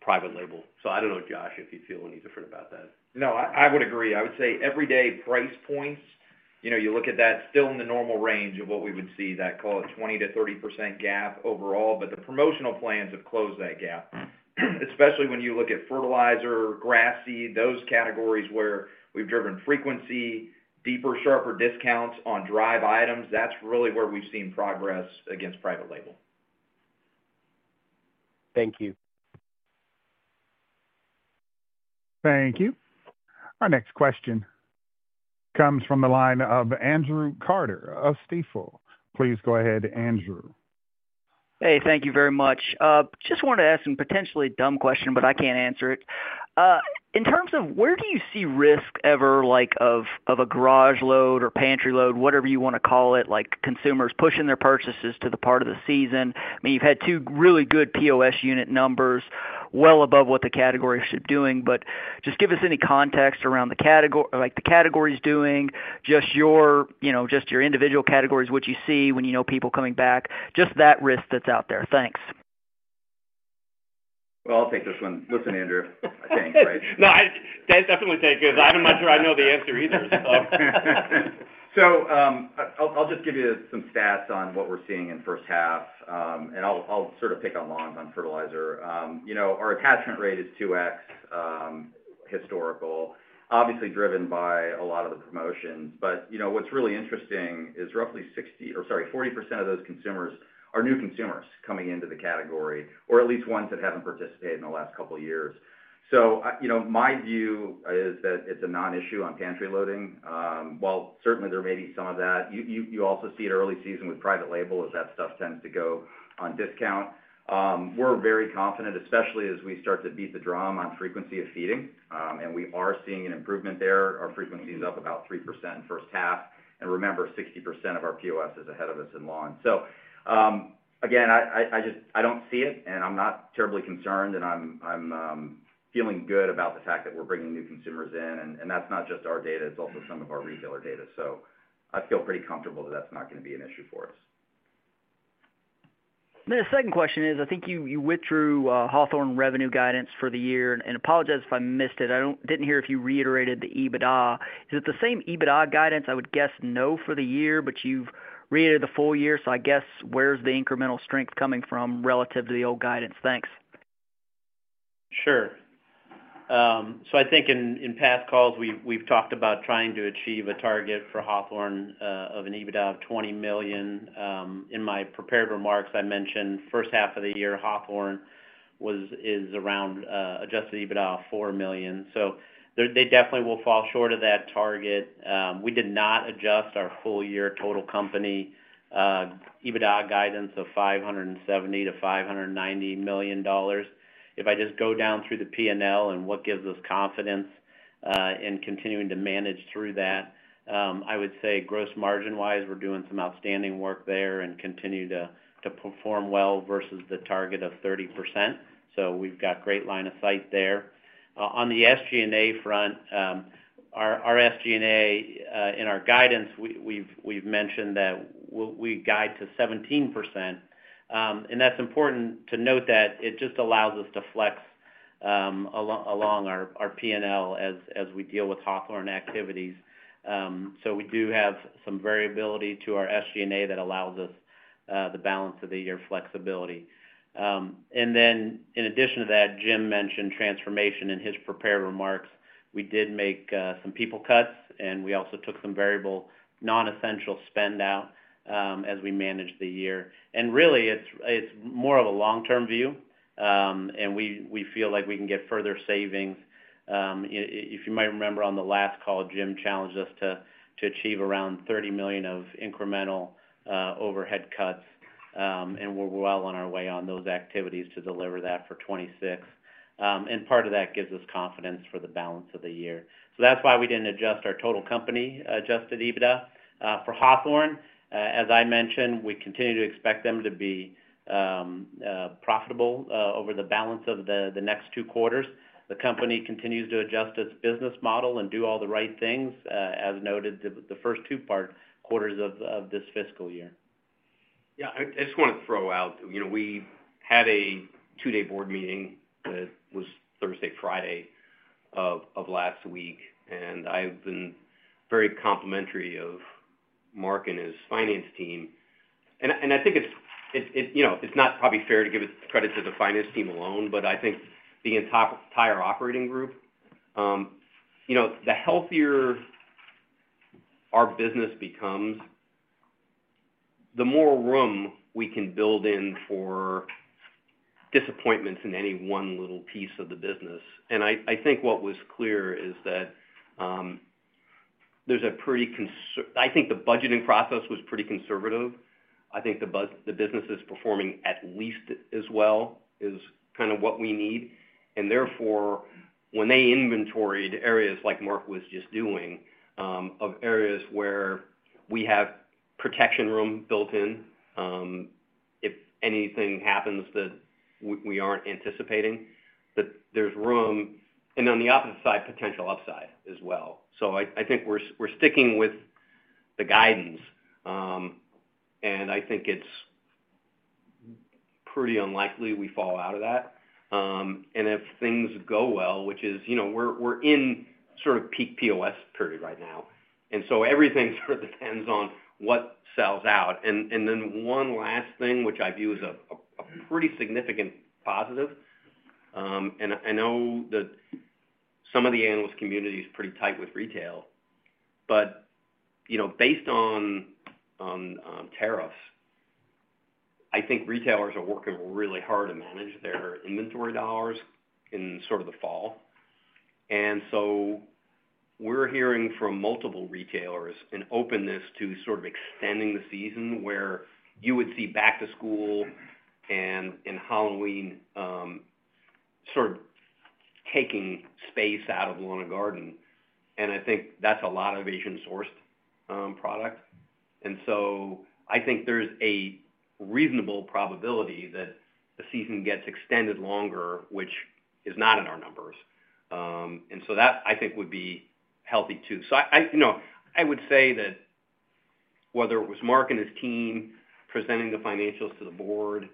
private label. I don't know, Josh, if you feel any different about that. No, I would agree. I would say everyday price points, you look at that still in the normal range of what we would see, that call it 20-30% gap overall, but the promotional plans have closed that gap, especially when you look at fertilizer, grass seed, those categories where we've driven frequency, deeper, sharper discounts on drive items. That's really where we've seen progress against private label. Thank you. Thank you. Our next question comes from the line of Andrew Carter of Stifel. Please go ahead, Andrew. Hey, thank you very much. Just wanted to ask some potentially dumb question, but I can't answer it. In terms of where do you see risk ever of a garage load or pantry load, whatever you want to call it, consumers pushing their purchases to the part of the season? I mean, you've had two really good POS unit numbers well above what the category should be doing, but just give us any context around the category's doing, just your individual categories, what you see when you know people coming back, just that risk that's out there. Thanks. I'll take this one. Listen, Andrew. I think, right? No, I definitely take it because I'm not sure I know the answer either, so. I'll just give you some stats on what we're seeing in first half, and I'll sort of pick on lawns, on fertilizer. Our attachment rate is 2X, historical, obviously driven by a lot of the promotions. What's really interesting is roughly 40% of those consumers are new consumers coming into the category, or at least ones that haven't participated in the last couple of years. My view is that it's a non-issue on pantry loading. Certainly there may be some of that. You also see it early season with private label as that stuff tends to go on discount. We're very confident, especially as we start to beat the drum on frequency of feeding, and we are seeing an improvement there. Our frequency is up about 3% first half. Remember, 60% of our POS is ahead of us in lawn. I don't see it, and I'm not terribly concerned, and I'm feeling good about the fact that we're bringing new consumers in. And that's not just our data. It's also some of our retailer data. I feel pretty comfortable that that's not going to be an issue for us. The second question is, I think you went through Hawthorne revenue guidance for the year and apologize if I missed it. I didn't hear if you reiterated the EBITDA. Is it the same EBITDA guidance? I would guess no for the year, but you've reiterated the full year. I guess where's the incremental strength coming from relative to the old guidance? Thanks. Sure. I think in past calls, we've talked about trying to achieve a target for Hawthorne of an EBITDA of $20 million. In my prepared remarks, I mentioned first half of the year, Hawthorne is around adjusted EBITDA of $4 million. They definitely will fall short of that target. We did not adjust our full year total company EBITDA guidance of $570-$590 million. If I just go down through the P&L and what gives us confidence in continuing to manage through that, I would say gross margin-wise, we're doing some outstanding work there and continue to perform well versus the target of 30%. We've got great line of sight there. On the SG&A front, our SG&A in our guidance, we've mentioned that we guide to 17%. That is important to note that it just allows us to flex along our P&L as we deal with Hawthorne activities. We do have some variability to our SG&A that allows us the balance of the year flexibility. In addition to that, Jim mentioned transformation in his prepared remarks. We did make some people cuts, and we also took some variable non-essential spend out as we managed the year. Really, it is more of a long-term view, and we feel like we can get further savings. If you might remember on the last call, Jim challenged us to achieve around $30 million of incremental overhead cuts, and we are well on our way on those activities to deliver that for 2026. Part of that gives us confidence for the balance of the year. That is why we did not adjust our total company adjusted EBITDA. For Hawthorne, as I mentioned, we continue to expect them to be profitable over the balance of the next two quarters. The company continues to adjust its business model and do all the right things as noted the first two quarters of this fiscal year. Yeah. I just want to throw out we had a two-day board meeting that was Thursday, Friday of last week, and I've been very complimentary of Mark and his finance team. I think it's not probably fair to give credit to the finance team alone, but I think the entire operating group, the healthier our business becomes, the more room we can build in for disappointments in any one little piece of the business. I think what was clear is that there's a pretty, I think the budgeting process was pretty conservative. I think the business is performing at least as well as kind of what we need. Therefore, when they inventoried areas like Mark was just doing of areas where we have protection room built in, if anything happens that we aren't anticipating, there's room. On the opposite side, potential upside as well. I think we're sticking with the guidance, and I think it's pretty unlikely we fall out of that. If things go well, which is we're in sort of peak POS period right now. Everything sort of depends on what sells out. One last thing, which I view as a pretty significant positive, and I know that some of the analyst community is pretty tight with retail, but based on tariffs, I think retailers are working really hard to manage their inventory dollars in sort of the fall. We're hearing from multiple retailers an openness to sort of extending the season where you would see back to school and Halloween sort of taking space out of lawn and garden. I think that's a lot of Asian-sourced product. I think there's a reasonable probability that the season gets extended longer, which is not in our numbers. I think that would be healthy too. I would say that whether it was Mark and his team presenting the financials to the board,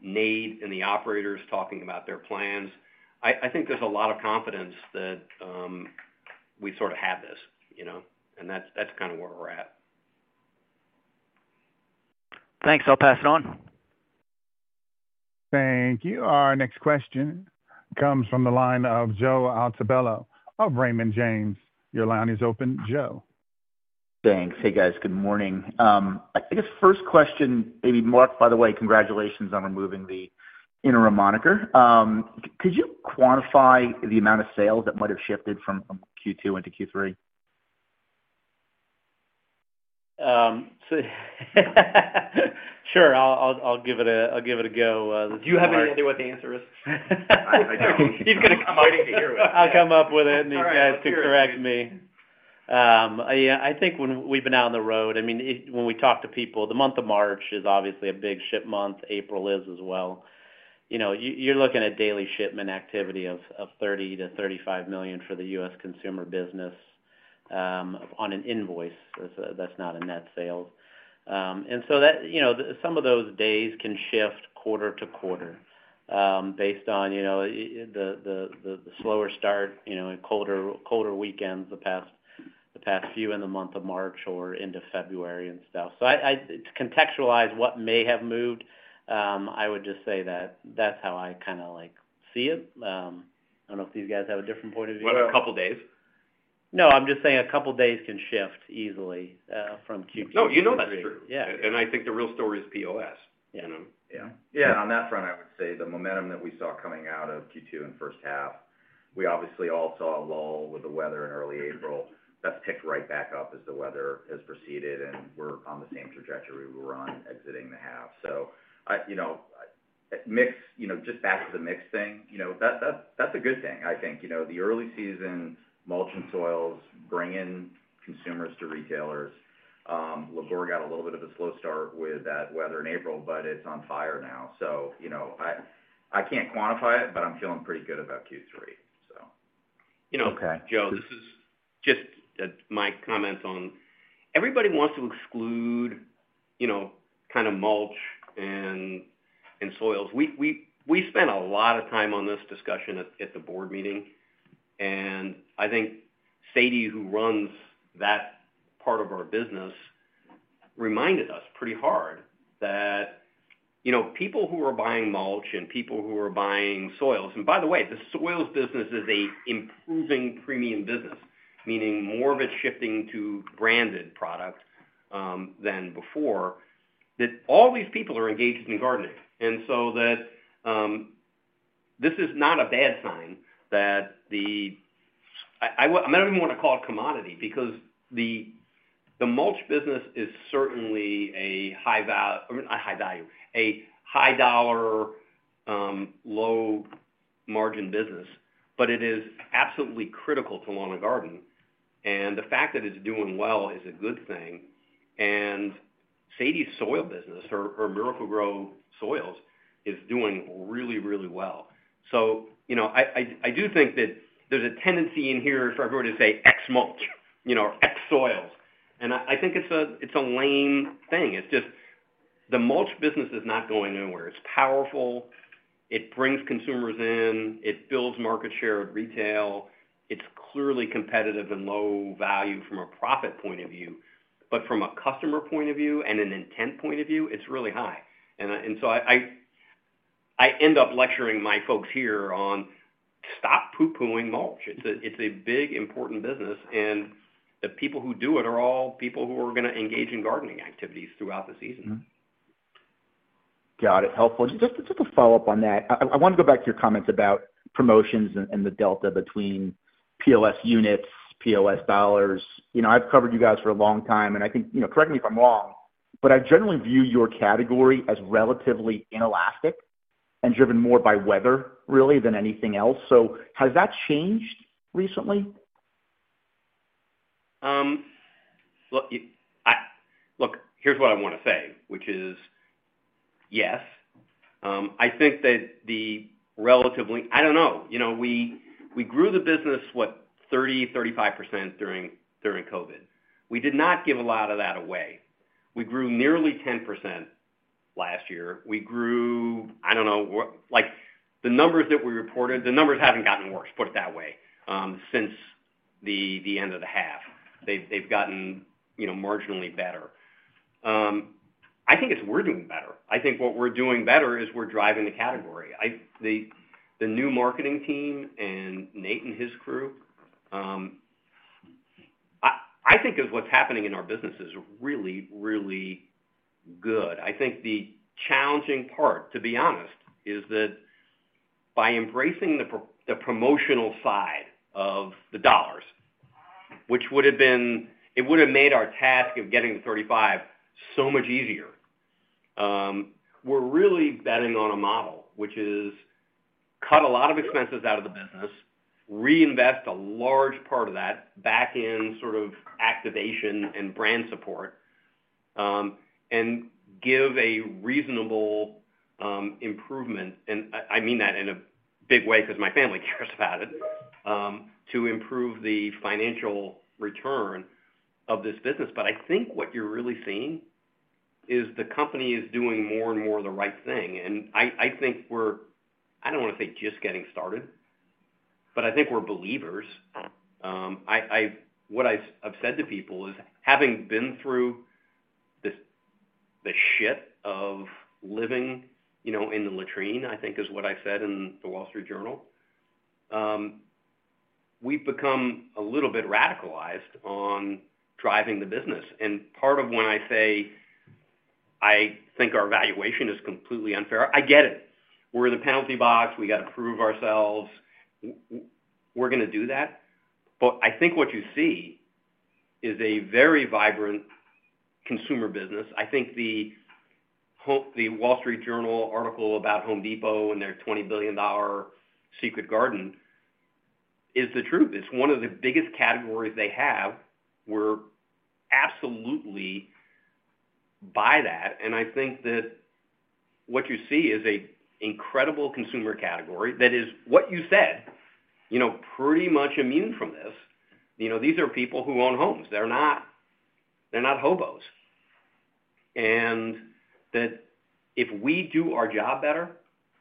Nate and the operators talking about their plans, I think there's a lot of confidence that we sort of have this. That's kind of where we're at. Thanks. I'll pass it on. Thank you. Our next question comes from the line of Joe Altobello of Raymond James. Your line is open. Joe. Thanks. Hey, guys. Good morning. I guess first question, maybe Mark, by the way, congratulations on removing the interim moniker. Could you quantify the amount of sales that might have shifted from Q2 into Q3? Sure. I'll give it a go. Do you have any idea what the answer is? He's going to come up with it. I'll come up with it, and these guys can correct me. Yeah. I think when we've been out on the road, I mean, when we talk to people, the month of March is obviously a big ship month. April is as well. You're looking at daily shipment activity of $30 million-$35 million for the US consumer business on an invoice that's not a net sale. Some of those days can shift quarter to quarter based on the slower start and colder weekends the past few in the month of March or into February and stuff. To contextualize what may have moved, I would just say that that's how I kind of see it. I don't know if these guys have a different point of view. What about a couple of days? No, I'm just saying a couple of days can shift easily from Q2 to Q3. No, you know that's true. I think the real story is POS. Yeah. Yeah. On that front, I would say the momentum that we saw coming out of Q2 and first half, we obviously all saw a lull with the weather in early April. That has picked right back up as the weather has proceeded, and we're on the same trajectory we were on exiting the half. Just back to the mix thing, that's a good thing. I think the early season mulch and soils bring in consumers to retailers. Labor got a little bit of a slow start with that weather in April, but it's on fire now. I can't quantify it, but I'm feeling pretty good about Q3. Okay. This is just my comment on everybody wants to exclude kind of mulch and soils. We spent a lot of time on this discussion at the board meeting. I think Sadie, who runs that part of our business, reminded us pretty hard that people who are buying mulch and people who are buying soils—and by the way, the soils business is an improving premium business, meaning more of it shifting to branded products than before—that all these people are engaged in gardening. This is not a bad sign that the—I do not even want to call it commodity because the mulch business is certainly a high value—not high value—a high dollar, low margin business, but it is absolutely critical to lawn and garden. The fact that it is doing well is a good thing. Sadie's soil business, or Miracle-Gro Soils, is doing really, really well. I do think that there's a tendency in here for everybody to say, "X mulch," or, "X soils." I think it's a lame thing. It's just the mulch business is not going anywhere. It's powerful. It brings consumers in. It builds market share with retail. It's clearly competitive and low value from a profit point of view. From a customer point of view and an intent point of view, it's really high. I end up lecturing my folks here on, "Stop poo-pooing mulch." It's a big, important business. The people who do it are all people who are going to engage in gardening activities throughout the season. Got it. Helpful. Just a follow-up on that. I want to go back to your comments about promotions and the delta between POS units, POS dollars. I've covered you guys for a long time, and I think—correct me if I'm wrong—but I generally view your category as relatively inelastic and driven more by weather, really, than anything else. Has that changed recently? Look, here's what I want to say, which is, yes. I think that the relatively—I don't know. We grew the business, what, 30-35% during COVID. We did not give a lot of that away. We grew nearly 10% last year. We grew—I don't know. The numbers that we reported, the numbers haven't gotten worse, put it that way, since the end of the half. They've gotten marginally better. I think it's we're doing better. I think what we're doing better is we're driving the category. The new marketing team and Nate and his crew, I think, is what's happening in our business is really, really good. I think the challenging part, to be honest, is that by embracing the promotional side of the dollars, which would have been—it would have made our task of getting to 35 so much easier. We're really betting on a model, which is cut a lot of expenses out of the business, reinvest a large part of that back in sort of activation and brand support, and give a reasonable improvement. I mean that in a big way because my family cares about it, to improve the financial return of this business. I think what you're really seeing is the company is doing more and more of the right thing. I think we're—I don't want to say just getting started, but I think we're believers. What I've said to people is, having been through the shit of living in the latrine, I think, is what I said in the Wall Street Journal, we've become a little bit radicalized on driving the business. Part of when I say I think our valuation is completely unfair, I get it. We're in the penalty box. We got to prove ourselves. We're going to do that. I think what you see is a very vibrant consumer business. I think the Wall Street Journal article about Home Depot and their $20 billion secret garden is the truth. It's one of the biggest categories they have. We're absolutely by that. I think that what you see is an incredible consumer category that is, what you said, pretty much immune from this. These are people who own homes. They're not hobos. If we do our job better,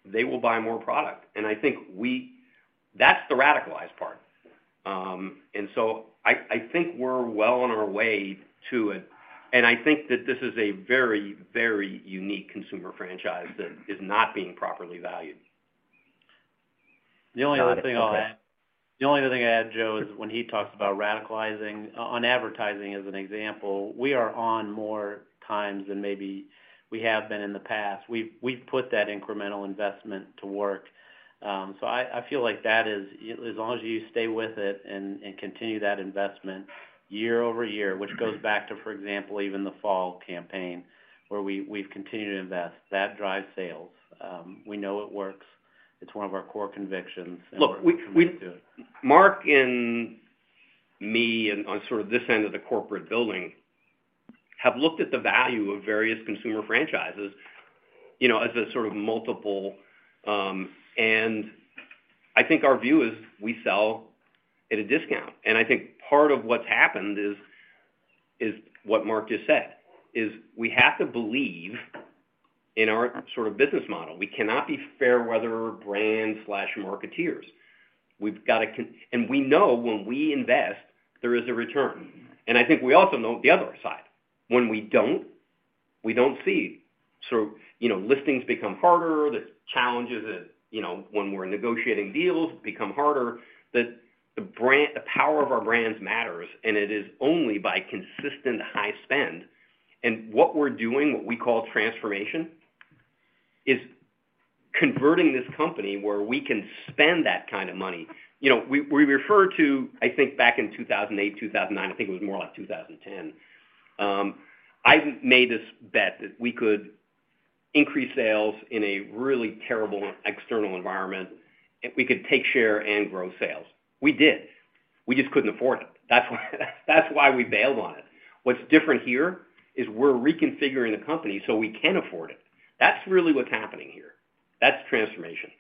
they will buy more product. I think that's the radicalized part. I think we're well on our way to it. I think that this is a very, very unique consumer franchise that is not being properly valued. The only other thing I'll add, Joe, is when he talks about radicalizing on advertising as an example, we are on more times than maybe we have been in the past. We've put that incremental investment to work. I feel like that is, as long as you stay with it and continue that investment year over year, which goes back to, for example, even the fall campaign where we've continued to invest, that drives sales. We know it works. It's one of our core convictions. Look, Mark and me on sort of this end of the corporate building have looked at the value of various consumer franchises as a sort of multiple. I think our view is we sell at a discount. I think part of what's happened is what Mark just said, is we have to believe in our sort of business model. We cannot be fair-weather brands/marketeers. We know when we invest, there is a return. I think we also know the other side. When we don't, we don't see. Listings become harder. The challenges when we're negotiating deals become harder. The power of our brands matters. It is only by consistent high spend. What we're doing, what we call transformation, is converting this company where we can spend that kind of money. We refer to, I think, back in 2008, 2009. I think it was more like 2010. I made this bet that we could increase sales in a really terrible external environment. We could take share and grow sales. We did. We just couldn't afford it. That's why we bailed on it. What's different here is we're reconfiguring the company so we can afford it. That's really what's happening here. That's transformation. Yeah.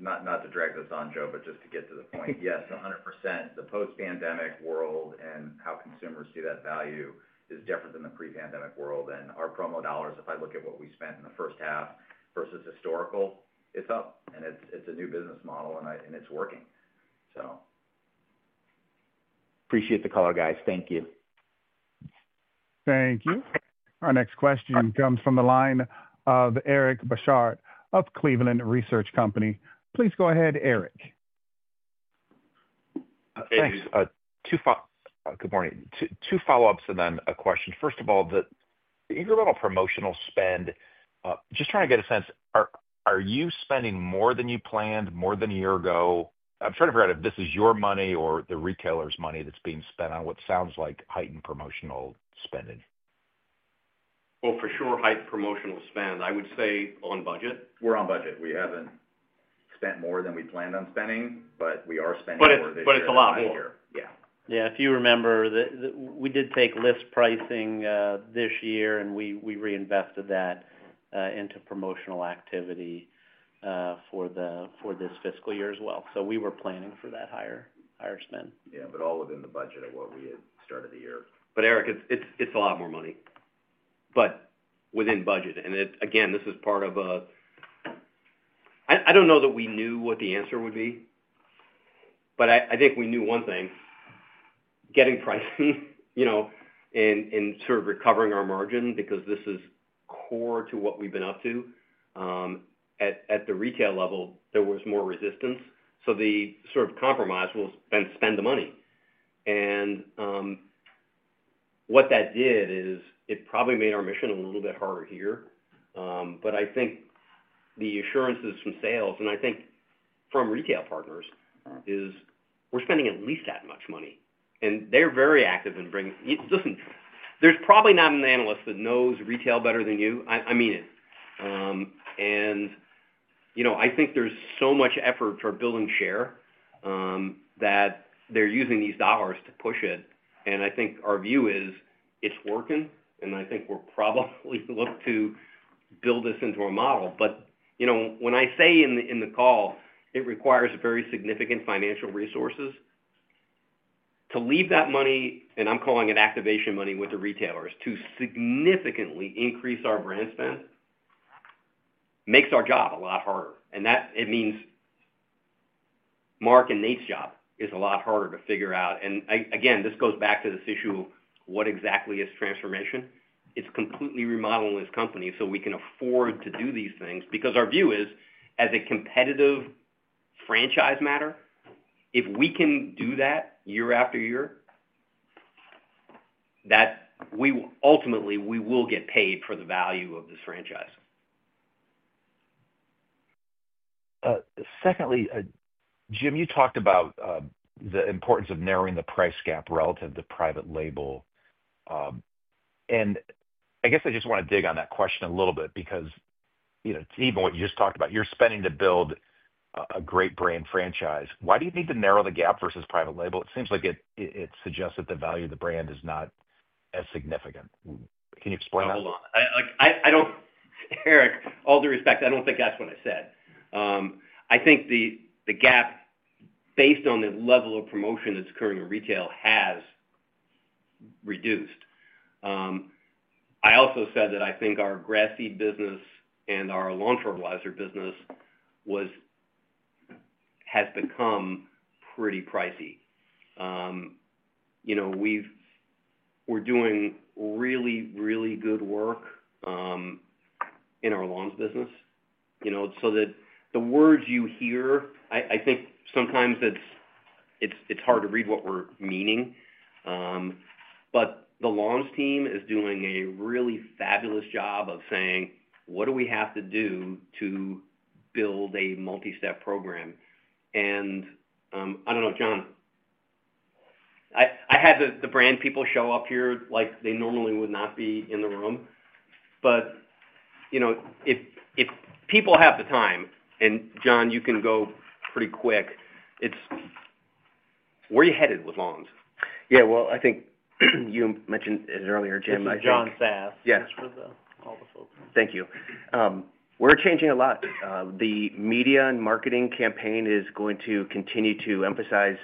Not to drag this on, Joe, but just to get to the point. Yes, 100%. The post-pandemic world and how consumers see that value is different than the pre-pandemic world. Our promo dollars, if I look at what we spent in the first half versus historical, it's up. It's a new business model. It's working. Appreciate the call, guys. Thank you. Thank you. Our next question comes from the line of Eric Bosshard of Cleveland Research Company. Please go ahead, Eric. Thanks. Good morning. Two follow-ups and then a question. First of all, the incremental promotional spend, just trying to get a sense, are you spending more than you planned, more than a year ago? I'm trying to figure out if this is your money or the retailer's money that's being spent on what sounds like heightened promotional spending. For sure, heightened promotional spend. I would say on budget. We're on budget. We haven't spent more than we planned on spending, but we are spending more this year. Yeah, it's a lot more. Yeah. If you remember, we did take list pricing this year, and we reinvested that into promotional activity for this fiscal year as well. We were planning for that higher spend. Yeah. All within the budget of what we had started the year. Eric, it's a lot more money, but within budget. Again, this is part of a—I don't know that we knew what the answer would be, but I think we knew one thing: getting pricing and sort of recovering our margin because this is core to what we've been up to. At the retail level, there was more resistance. The sort of compromise was, "Then spend the money." What that did is it probably made our mission a little bit harder here. I think the assurances from sales and I think from retail partners is we're spending at least that much money. They're very active in bringing—there's probably not an analyst that knows retail better than you. I mean it. I think there's so much effort for building share that they're using these dollars to push it. I think our view is it's working. I think we'll probably look to build this into our model. When I say in the call, it requires very significant financial resources to leave that money—and I'm calling it activation money with the retailers—to significantly increase our brand spend, makes our job a lot harder. That means Mark and Nate's job is a lot harder to figure out. Again, this goes back to this issue of what exactly is transformation. It's completely remodeling this company so we can afford to do these things because our view is, as a competitive franchise matter, if we can do that year after year, ultimately, we will get paid for the value of this franchise. Secondly, Jim, you talked about the importance of narrowing the price gap relative to private label. I guess I just want to dig on that question a little bit because even what you just talked about, you're spending to build a great brand franchise. Why do you need to narrow the gap versus private label? It seems like it suggests that the value of the brand is not as significant. Can you explain that? Hold on. Eric, all due respect, I don't think that's what I said. I think the gap, based on the level of promotion that's occurring in retail, has reduced. I also said that I think our grass seed business and our lawn fertilizer business has become pretty pricey. We're doing really, really good work in our lawns business. The words you hear, I think sometimes it's hard to read what we're meaning. The lawns team is doing a really fabulous job of saying, "What do we have to do to build a multi-step program?" I don't know, John. I had the brand people show up here like they normally would not be in the room. If people have the time—and John, you can go pretty quick—where are you headed with lawns? Yeah. I think you mentioned it earlier, Jim. This is John Sass. Thanks for all the folks. Thank you. We're changing a lot. The media and marketing campaign is going to continue to emphasize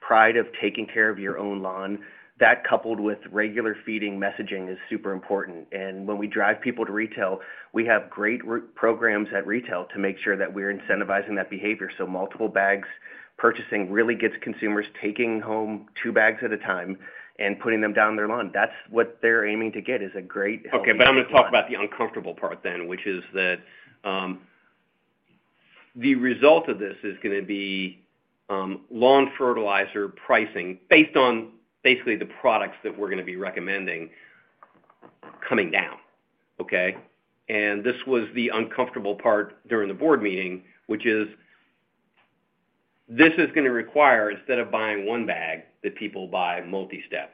pride of taking care of your own lawn. That, coupled with regular feeding messaging, is super important. When we drive people to retail, we have great programs at retail to make sure that we're incentivizing that behavior. Multiple bags purchasing really gets consumers taking home two bags at a time and putting them down their lawn. That's what they're aiming to get is a great. Okay. I am going to talk about the uncomfortable part then, which is that the result of this is going to be lawn fertilizer pricing based on basically the products that we are going to be recommending coming down. Okay? This was the uncomfortable part during the board meeting, which is this is going to require, instead of buying one bag, that people buy multi-step.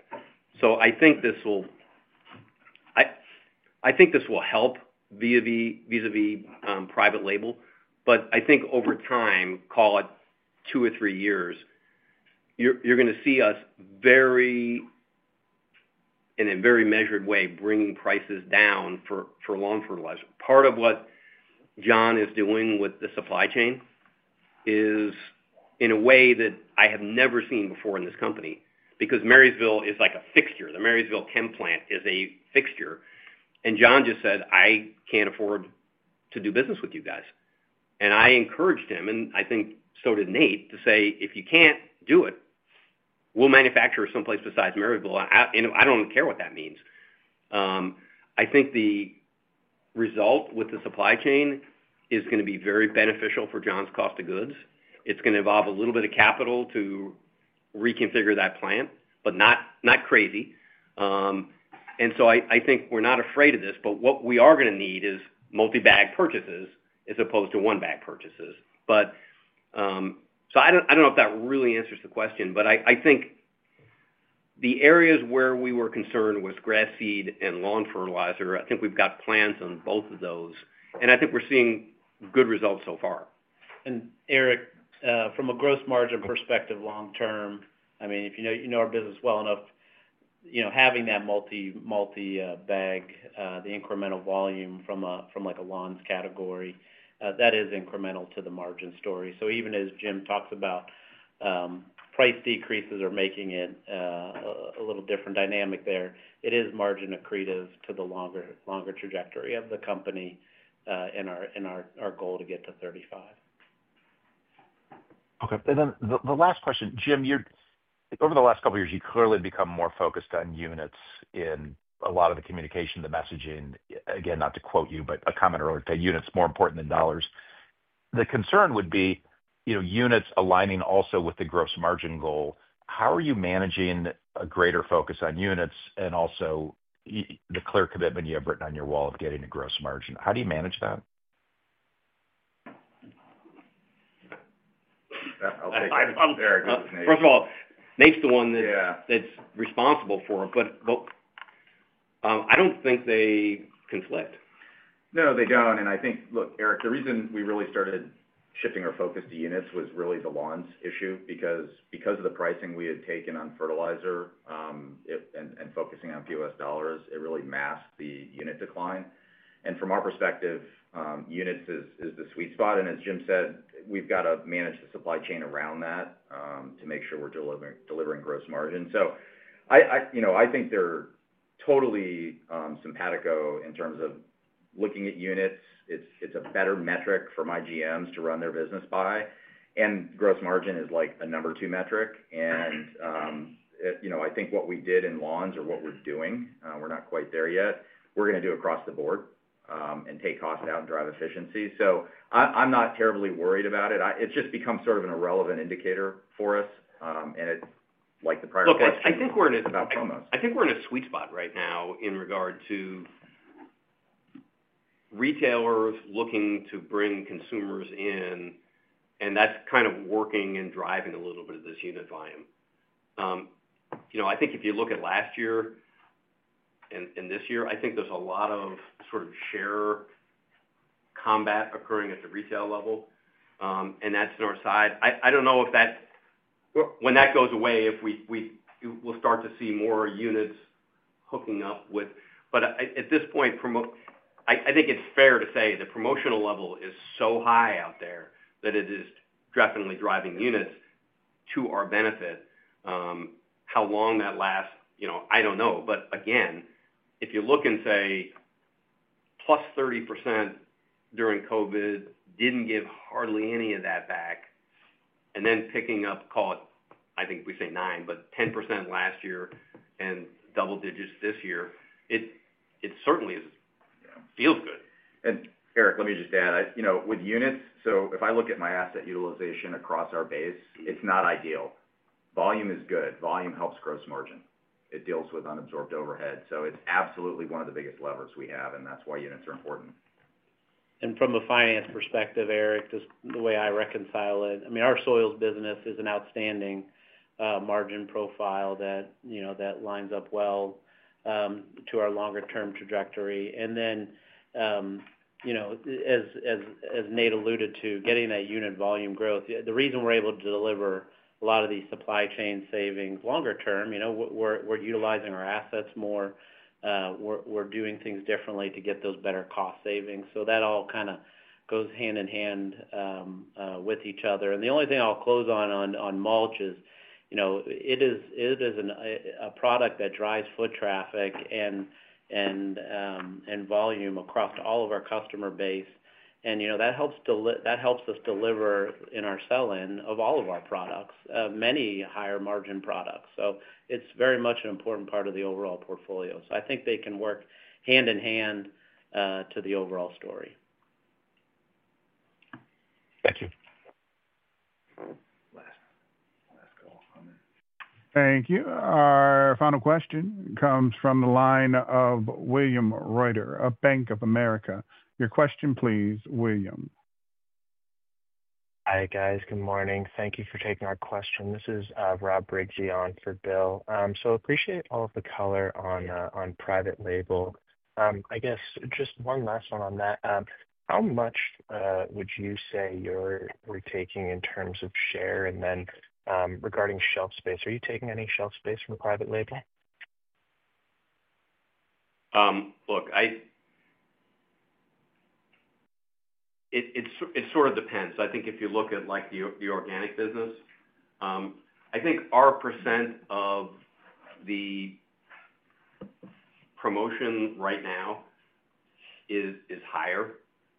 I think this will help vis-à-vis private label. I think over time, call it two or three years, you are going to see us, in a very measured way, bringing prices down for lawn fertilizer. Part of what John is doing with the supply chain is in a way that I have never seen before in this company because Marysville is like a fixture. The Marysville Chem Plant is a fixture. John just said, "I can't afford to do business with you guys." I encouraged him, and I think so did Nate, to say, "If you can't do it, we'll manufacture someplace besides Marysville." I don't care what that means. I think the result with the supply chain is going to be very beneficial for John's cost of goods. It's going to involve a little bit of capital to reconfigure that plant, but not crazy. I think we're not afraid of this. What we are going to need is multi-bag purchases as opposed to one-bag purchases. I don't know if that really answers the question, but I think the areas where we were concerned with grass seed and lawn fertilizer, I think we've got plans on both of those. I think we're seeing good results so far. Eric, from a gross margin perspective, long term, I mean, if you know our business well enough, having that multi-bag, the incremental volume from a lawns category, that is incremental to the margin story. Even as Jim talks about price decreases or making it a little different dynamic there, it is margin accretive to the longer trajectory of the company and our goal to get to 35. Okay. The last question. Jim, over the last couple of years, you've clearly become more focused on units in a lot of the communication, the messaging. Again, not to quote you, but a comment earlier to say units more important than dollars. The concern would be units aligning also with the gross margin goal. How are you managing a greater focus on units and also the clear commitment you have written on your wall of getting a gross margin? How do you manage that? I'll take it from Eric. First of all, Nate's the one that's responsible for it. I don't think they conflict. No, they don't. I think, look, Eric, the reason we really started shifting our focus to units was really the lawns issue because of the pricing we had taken on fertilizer and focusing on POS dollars. It really masked the unit decline. From our perspective, units is the sweet spot. As Jim said, we've got to manage the supply chain around that to make sure we're delivering gross margin. I think they're totally simpatico in terms of looking at units. It's a better metric for my GMs to run their business by. Gross margin is like a number two metric. I think what we did in lawns or what we're doing, we're not quite there yet. We're going to do across the board and take costs out and drive efficiency. I'm not terribly worried about it. It's just become sort of an irrelevant indicator for us. It's like the prior question. Look, I think we're in a sweet spot. I think we're in a sweet spot right now in regard to retailers looking to bring consumers in. That's kind of working and driving a little bit of this unit volume. I think if you look at last year and this year, I think there's a lot of sort of share combat occurring at the retail level. That's in our side. I don't know if that, when that goes away, we'll start to see more units hooking up with. At this point, I think it's fair to say the promotional level is so high out there that it is definitely driving units to our benefit. How long that lasts, I don't know. Again, if you look and say plus 30% during COVID, didn't give hardly any of that back. Then picking up, call it, I think we say 9, but 10% last year and double digits this year, it certainly feels good. Eric, let me just add. With units, if I look at my asset utilization across our base, it's not ideal. Volume is good. Volume helps gross margin. It deals with unabsorbed overhead. It's absolutely one of the biggest levers we have. That's why units are important. From a finance perspective, Eric, just the way I reconcile it, I mean, our soils business is an outstanding margin profile that lines up well to our longer-term trajectory. As Nate alluded to, getting that unit volume growth, the reason we're able to deliver a lot of these supply chain savings longer term, we're utilizing our assets more. We're doing things differently to get those better cost savings. That all kind of goes hand in hand with each other. The only thing I'll close on on mulch is it is a product that drives foot traffic and volume across all of our customer base. That helps us deliver in our sell-in of all of our products, many higher margin products. It is very much an important part of the overall portfolio. I think they can work hand in hand to the overall story. Thank you. Last call. Thank you. Our final question comes from the line of William Reuter of Bank of America. Your question, please, William. Hi guys. Good morning. Thank you for taking our question. This is Rob Briggs on for Bill. Appreciate all of the color on private label. I guess just one last one on that. How much would you say you're taking in terms of share? Regarding shelf space, are you taking any shelf space from private label? Look, it sort of depends. I think if you look at the organic business, I think our percent of the promotion right now is higher.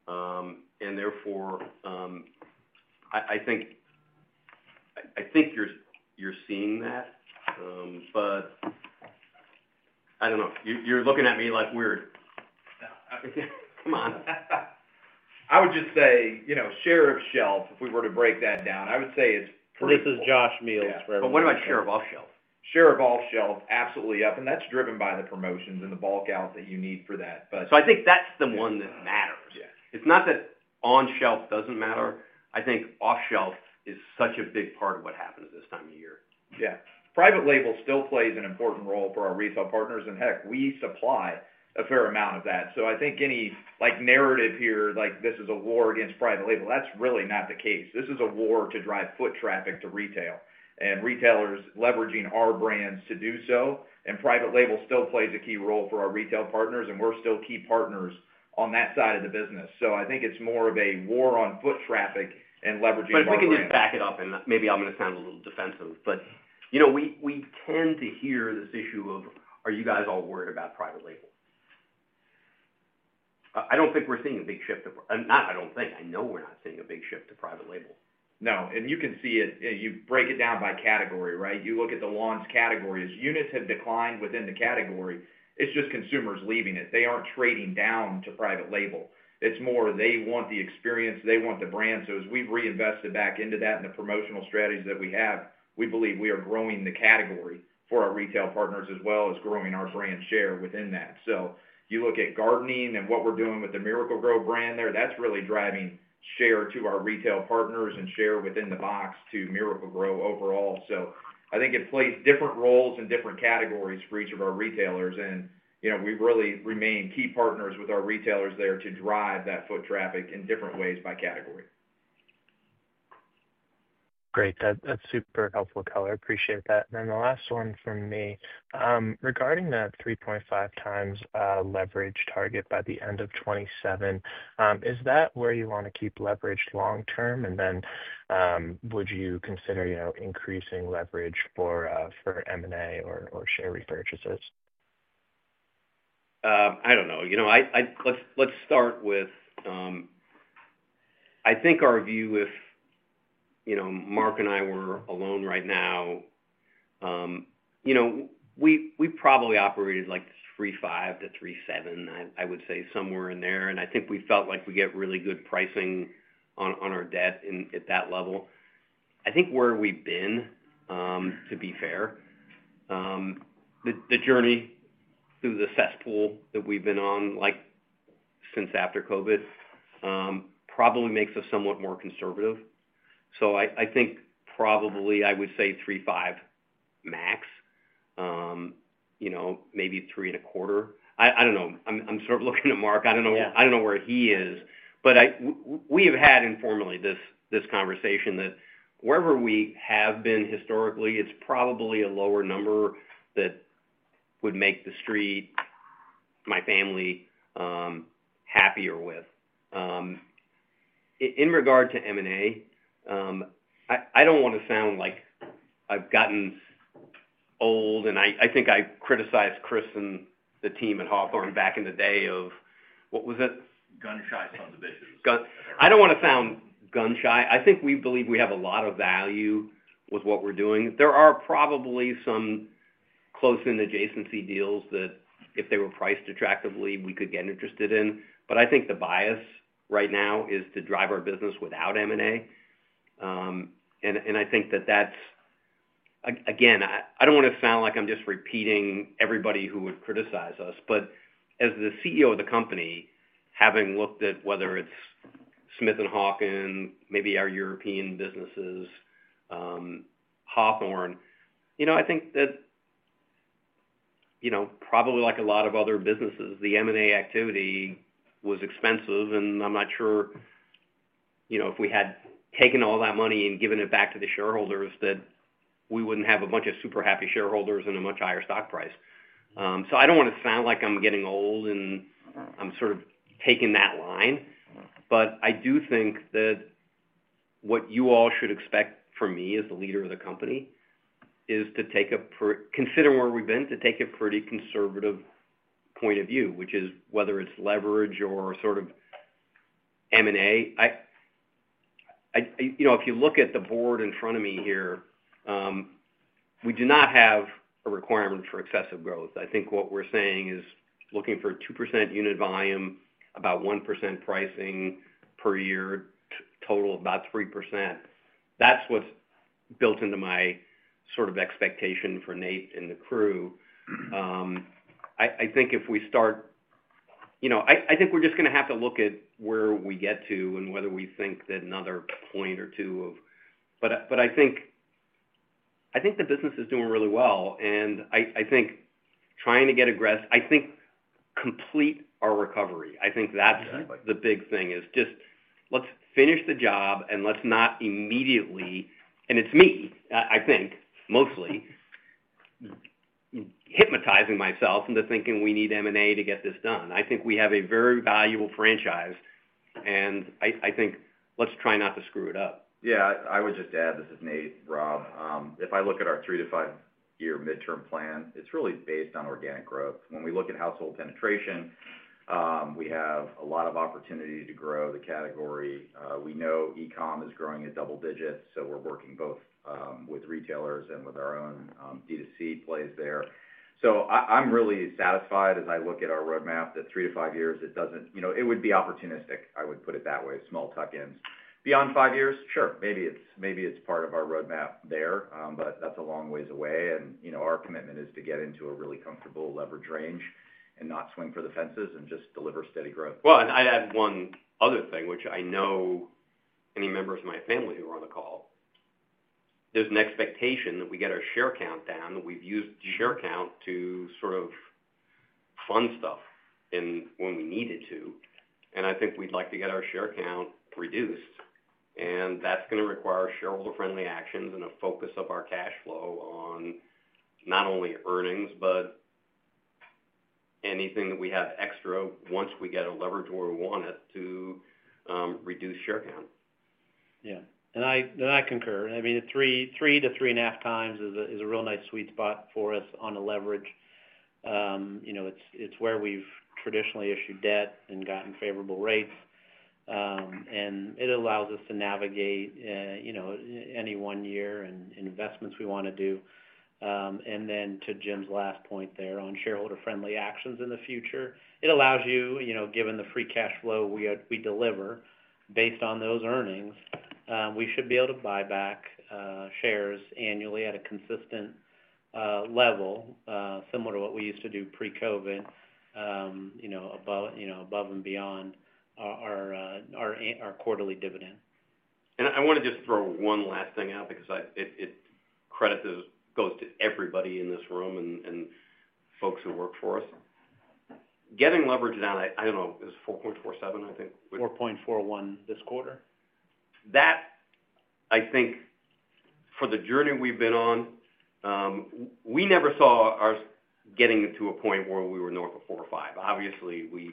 And therefore, I think you're seeing that. I don't know. You're looking at me like weird. Come on. I would just say share of shelf, if we were to break that down, I would say it's pretty high. This is Josh Meihls for everyone. What about share of off-shelf? Share of off-shelf, absolutely up. That is driven by the promotions and the bulk out that you need for that. I think that's the one that matters. It's not that on-shelf doesn't matter. I think off-shelf is such a big part of what happens this time of year. Yeah. Private label still plays an important role for our retail partners. Heck, we supply a fair amount of that. I think any narrative here, like this is a war against private label, that's really not the case. This is a war to drive foot traffic to retail. Retailers leveraging our brands to do so. Private label still plays a key role for our retail partners. We're still key partners on that side of the business. I think it's more of a war on foot traffic and leveraging our brands. If we can just back it up, and maybe I'm going to sound a little defensive, but we tend to hear this issue of, "Are you guys all worried about private label?" I don't think we're seeing a big shift to—not I don't think. I know we're not seeing a big shift to private label. No. You can see it. You break it down by category, right? You look at the lawns categories. Units have declined within the category. It's just consumers leaving it. They aren't trading down to private label. It's more they want the experience. They want the brand. As we've reinvested back into that and the promotional strategies that we have, we believe we are growing the category for our retail partners as well as growing our brand share within that. You look at gardening and what we're doing with the Miracle-Gro brand there, that's really driving share to our retail partners and share within the box to Miracle-Gro overall. I think it plays different roles in different categories for each of our retailers. We really remain key partners with our retailers there to drive that foot traffic in different ways by category. Great. That's super helpful, Kelly. I appreciate that. The last one from me. Regarding that 3.5 times leverage target by the end of 2027, is that where you want to keep leverage long term? Would you consider increasing leverage for M&A or share repurchases? I don't know. Let's start with, I think our view, if Mark and I were alone right now, we probably operated like 3.5-3.7, I would say, somewhere in there. I think we felt like we get really good pricing on our debt at that level. I think where we've been, to be fair, the journey through the cesspool that we've been on since after COVID probably makes us somewhat more conservative. I think probably I would say 3.5 max, maybe 3.25. I don't know. I'm sort of looking at Mark. I don't know where he is. We have had informally this conversation that wherever we have been historically, it's probably a lower number that would make the street, my family, happier with. In regard to M&A, I don't want to sound like I've gotten old. I think I criticized Chris and the team at Hawthorne back in the day of what was it? Gun shy sons of bitches. I don't want to sound gun shy. I think we believe we have a lot of value with what we're doing. There are probably some close-in adjacency deals that if they were priced attractively, we could get interested in. I think the bias right now is to drive our business without M&A. I think that that's, again, I don't want to sound like I'm just repeating everybody who would criticize us. As the CEO of the company, having looked at whether it's Smith & Hawken, maybe our European businesses, Hawthorne, I think that probably like a lot of other businesses, the M&A activity was expensive. I'm not sure if we had taken all that money and given it back to the shareholders that we wouldn't have a bunch of super happy shareholders and a much higher stock price. I do not want to sound like I am getting old and I am sort of taking that line. I do think that what you all should expect from me as the leader of the company is to take a consider where we have been, to take a pretty conservative point of view, which is whether it is leverage or sort of M&A. If you look at the board in front of me here, we do not have a requirement for excessive growth. I think what we are saying is looking for 2% unit volume, about 1% pricing per year, total about 3%. That is what is built into my sort of expectation for Nate and the crew. I think if we start, I think we are just going to have to look at where we get to and whether we think that another point or two of—but I think the business is doing really well. I think trying to get aggressive, I think complete our recovery. I think that's the big thing is just let's finish the job and let's not immediately—and it's me, I think, mostly hypnotizing myself into thinking we need M&A to get this done. I think we have a very valuable franchise. I think let's try not to screw it up. Yeah. I would just add, this is Nate, Rob. If I look at our three- to five-year midterm plan, it's really based on organic growth. When we look at household penetration, we have a lot of opportunity to grow the category. We know e-comm is growing at double digits. We are working both with retailers and with our own D2C plays there. I am really satisfied as I look at our roadmap that three to five years, it would be opportunistic, I would put it that way, small tuck-ins. Beyond five years, sure, maybe it's part of our roadmap there. That is a long ways away. Our commitment is to get into a really comfortable leverage range and not swing for the fences and just deliver steady growth. I'd add one other thing, which I know any members of my family who are on the call. There's an expectation that we get our share count down. We've used share count to sort of fund stuff when we needed to. I think we'd like to get our share count reduced. That's going to require shareholder-friendly actions and a focus of our cash flow on not only earnings, but anything that we have extra once we get a leverage where we want it to reduce share count. Yeah. I concur. I mean, three to three and a half times is a real nice sweet spot for us on a leverage. It's where we've traditionally issued debt and gotten favorable rates. It allows us to navigate any one year and investments we want to do. To Jim's last point there on shareholder-friendly actions in the future, it allows you, given the free cash flow we deliver based on those earnings, we should be able to buy back shares annually at a consistent level, similar to what we used to do pre-COVID, above and beyond our quarterly dividend. I want to just throw one last thing out because credit goes to everybody in this room and folks who work for us. Getting leverage down, I don't know, is 4.41, I think. 4.41 this quarter? That, I think, for the journey we've been on, we never saw ourselves getting to a point where we were north of 4.5. Obviously, we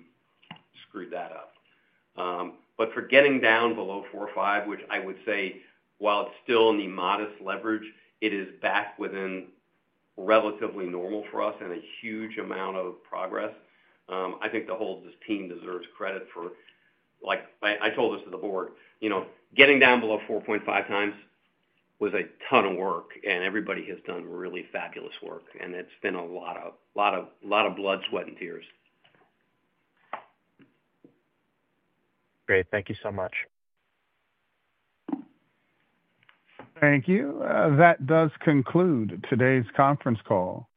screwed that up. For getting down below 4.5, which I would say, while it's still in the modest leverage, it is back within relatively normal for us and a huge amount of progress. I think the whole team deserves credit for, like I told this to the board, getting down below 4.5 times was a ton of work. Everybody has done really fabulous work. It's been a lot of blood, sweat, and tears. Great. Thank you so much. Thank you. That does conclude today's conference call.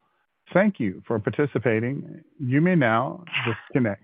Thank you for participating. You may now disconnect.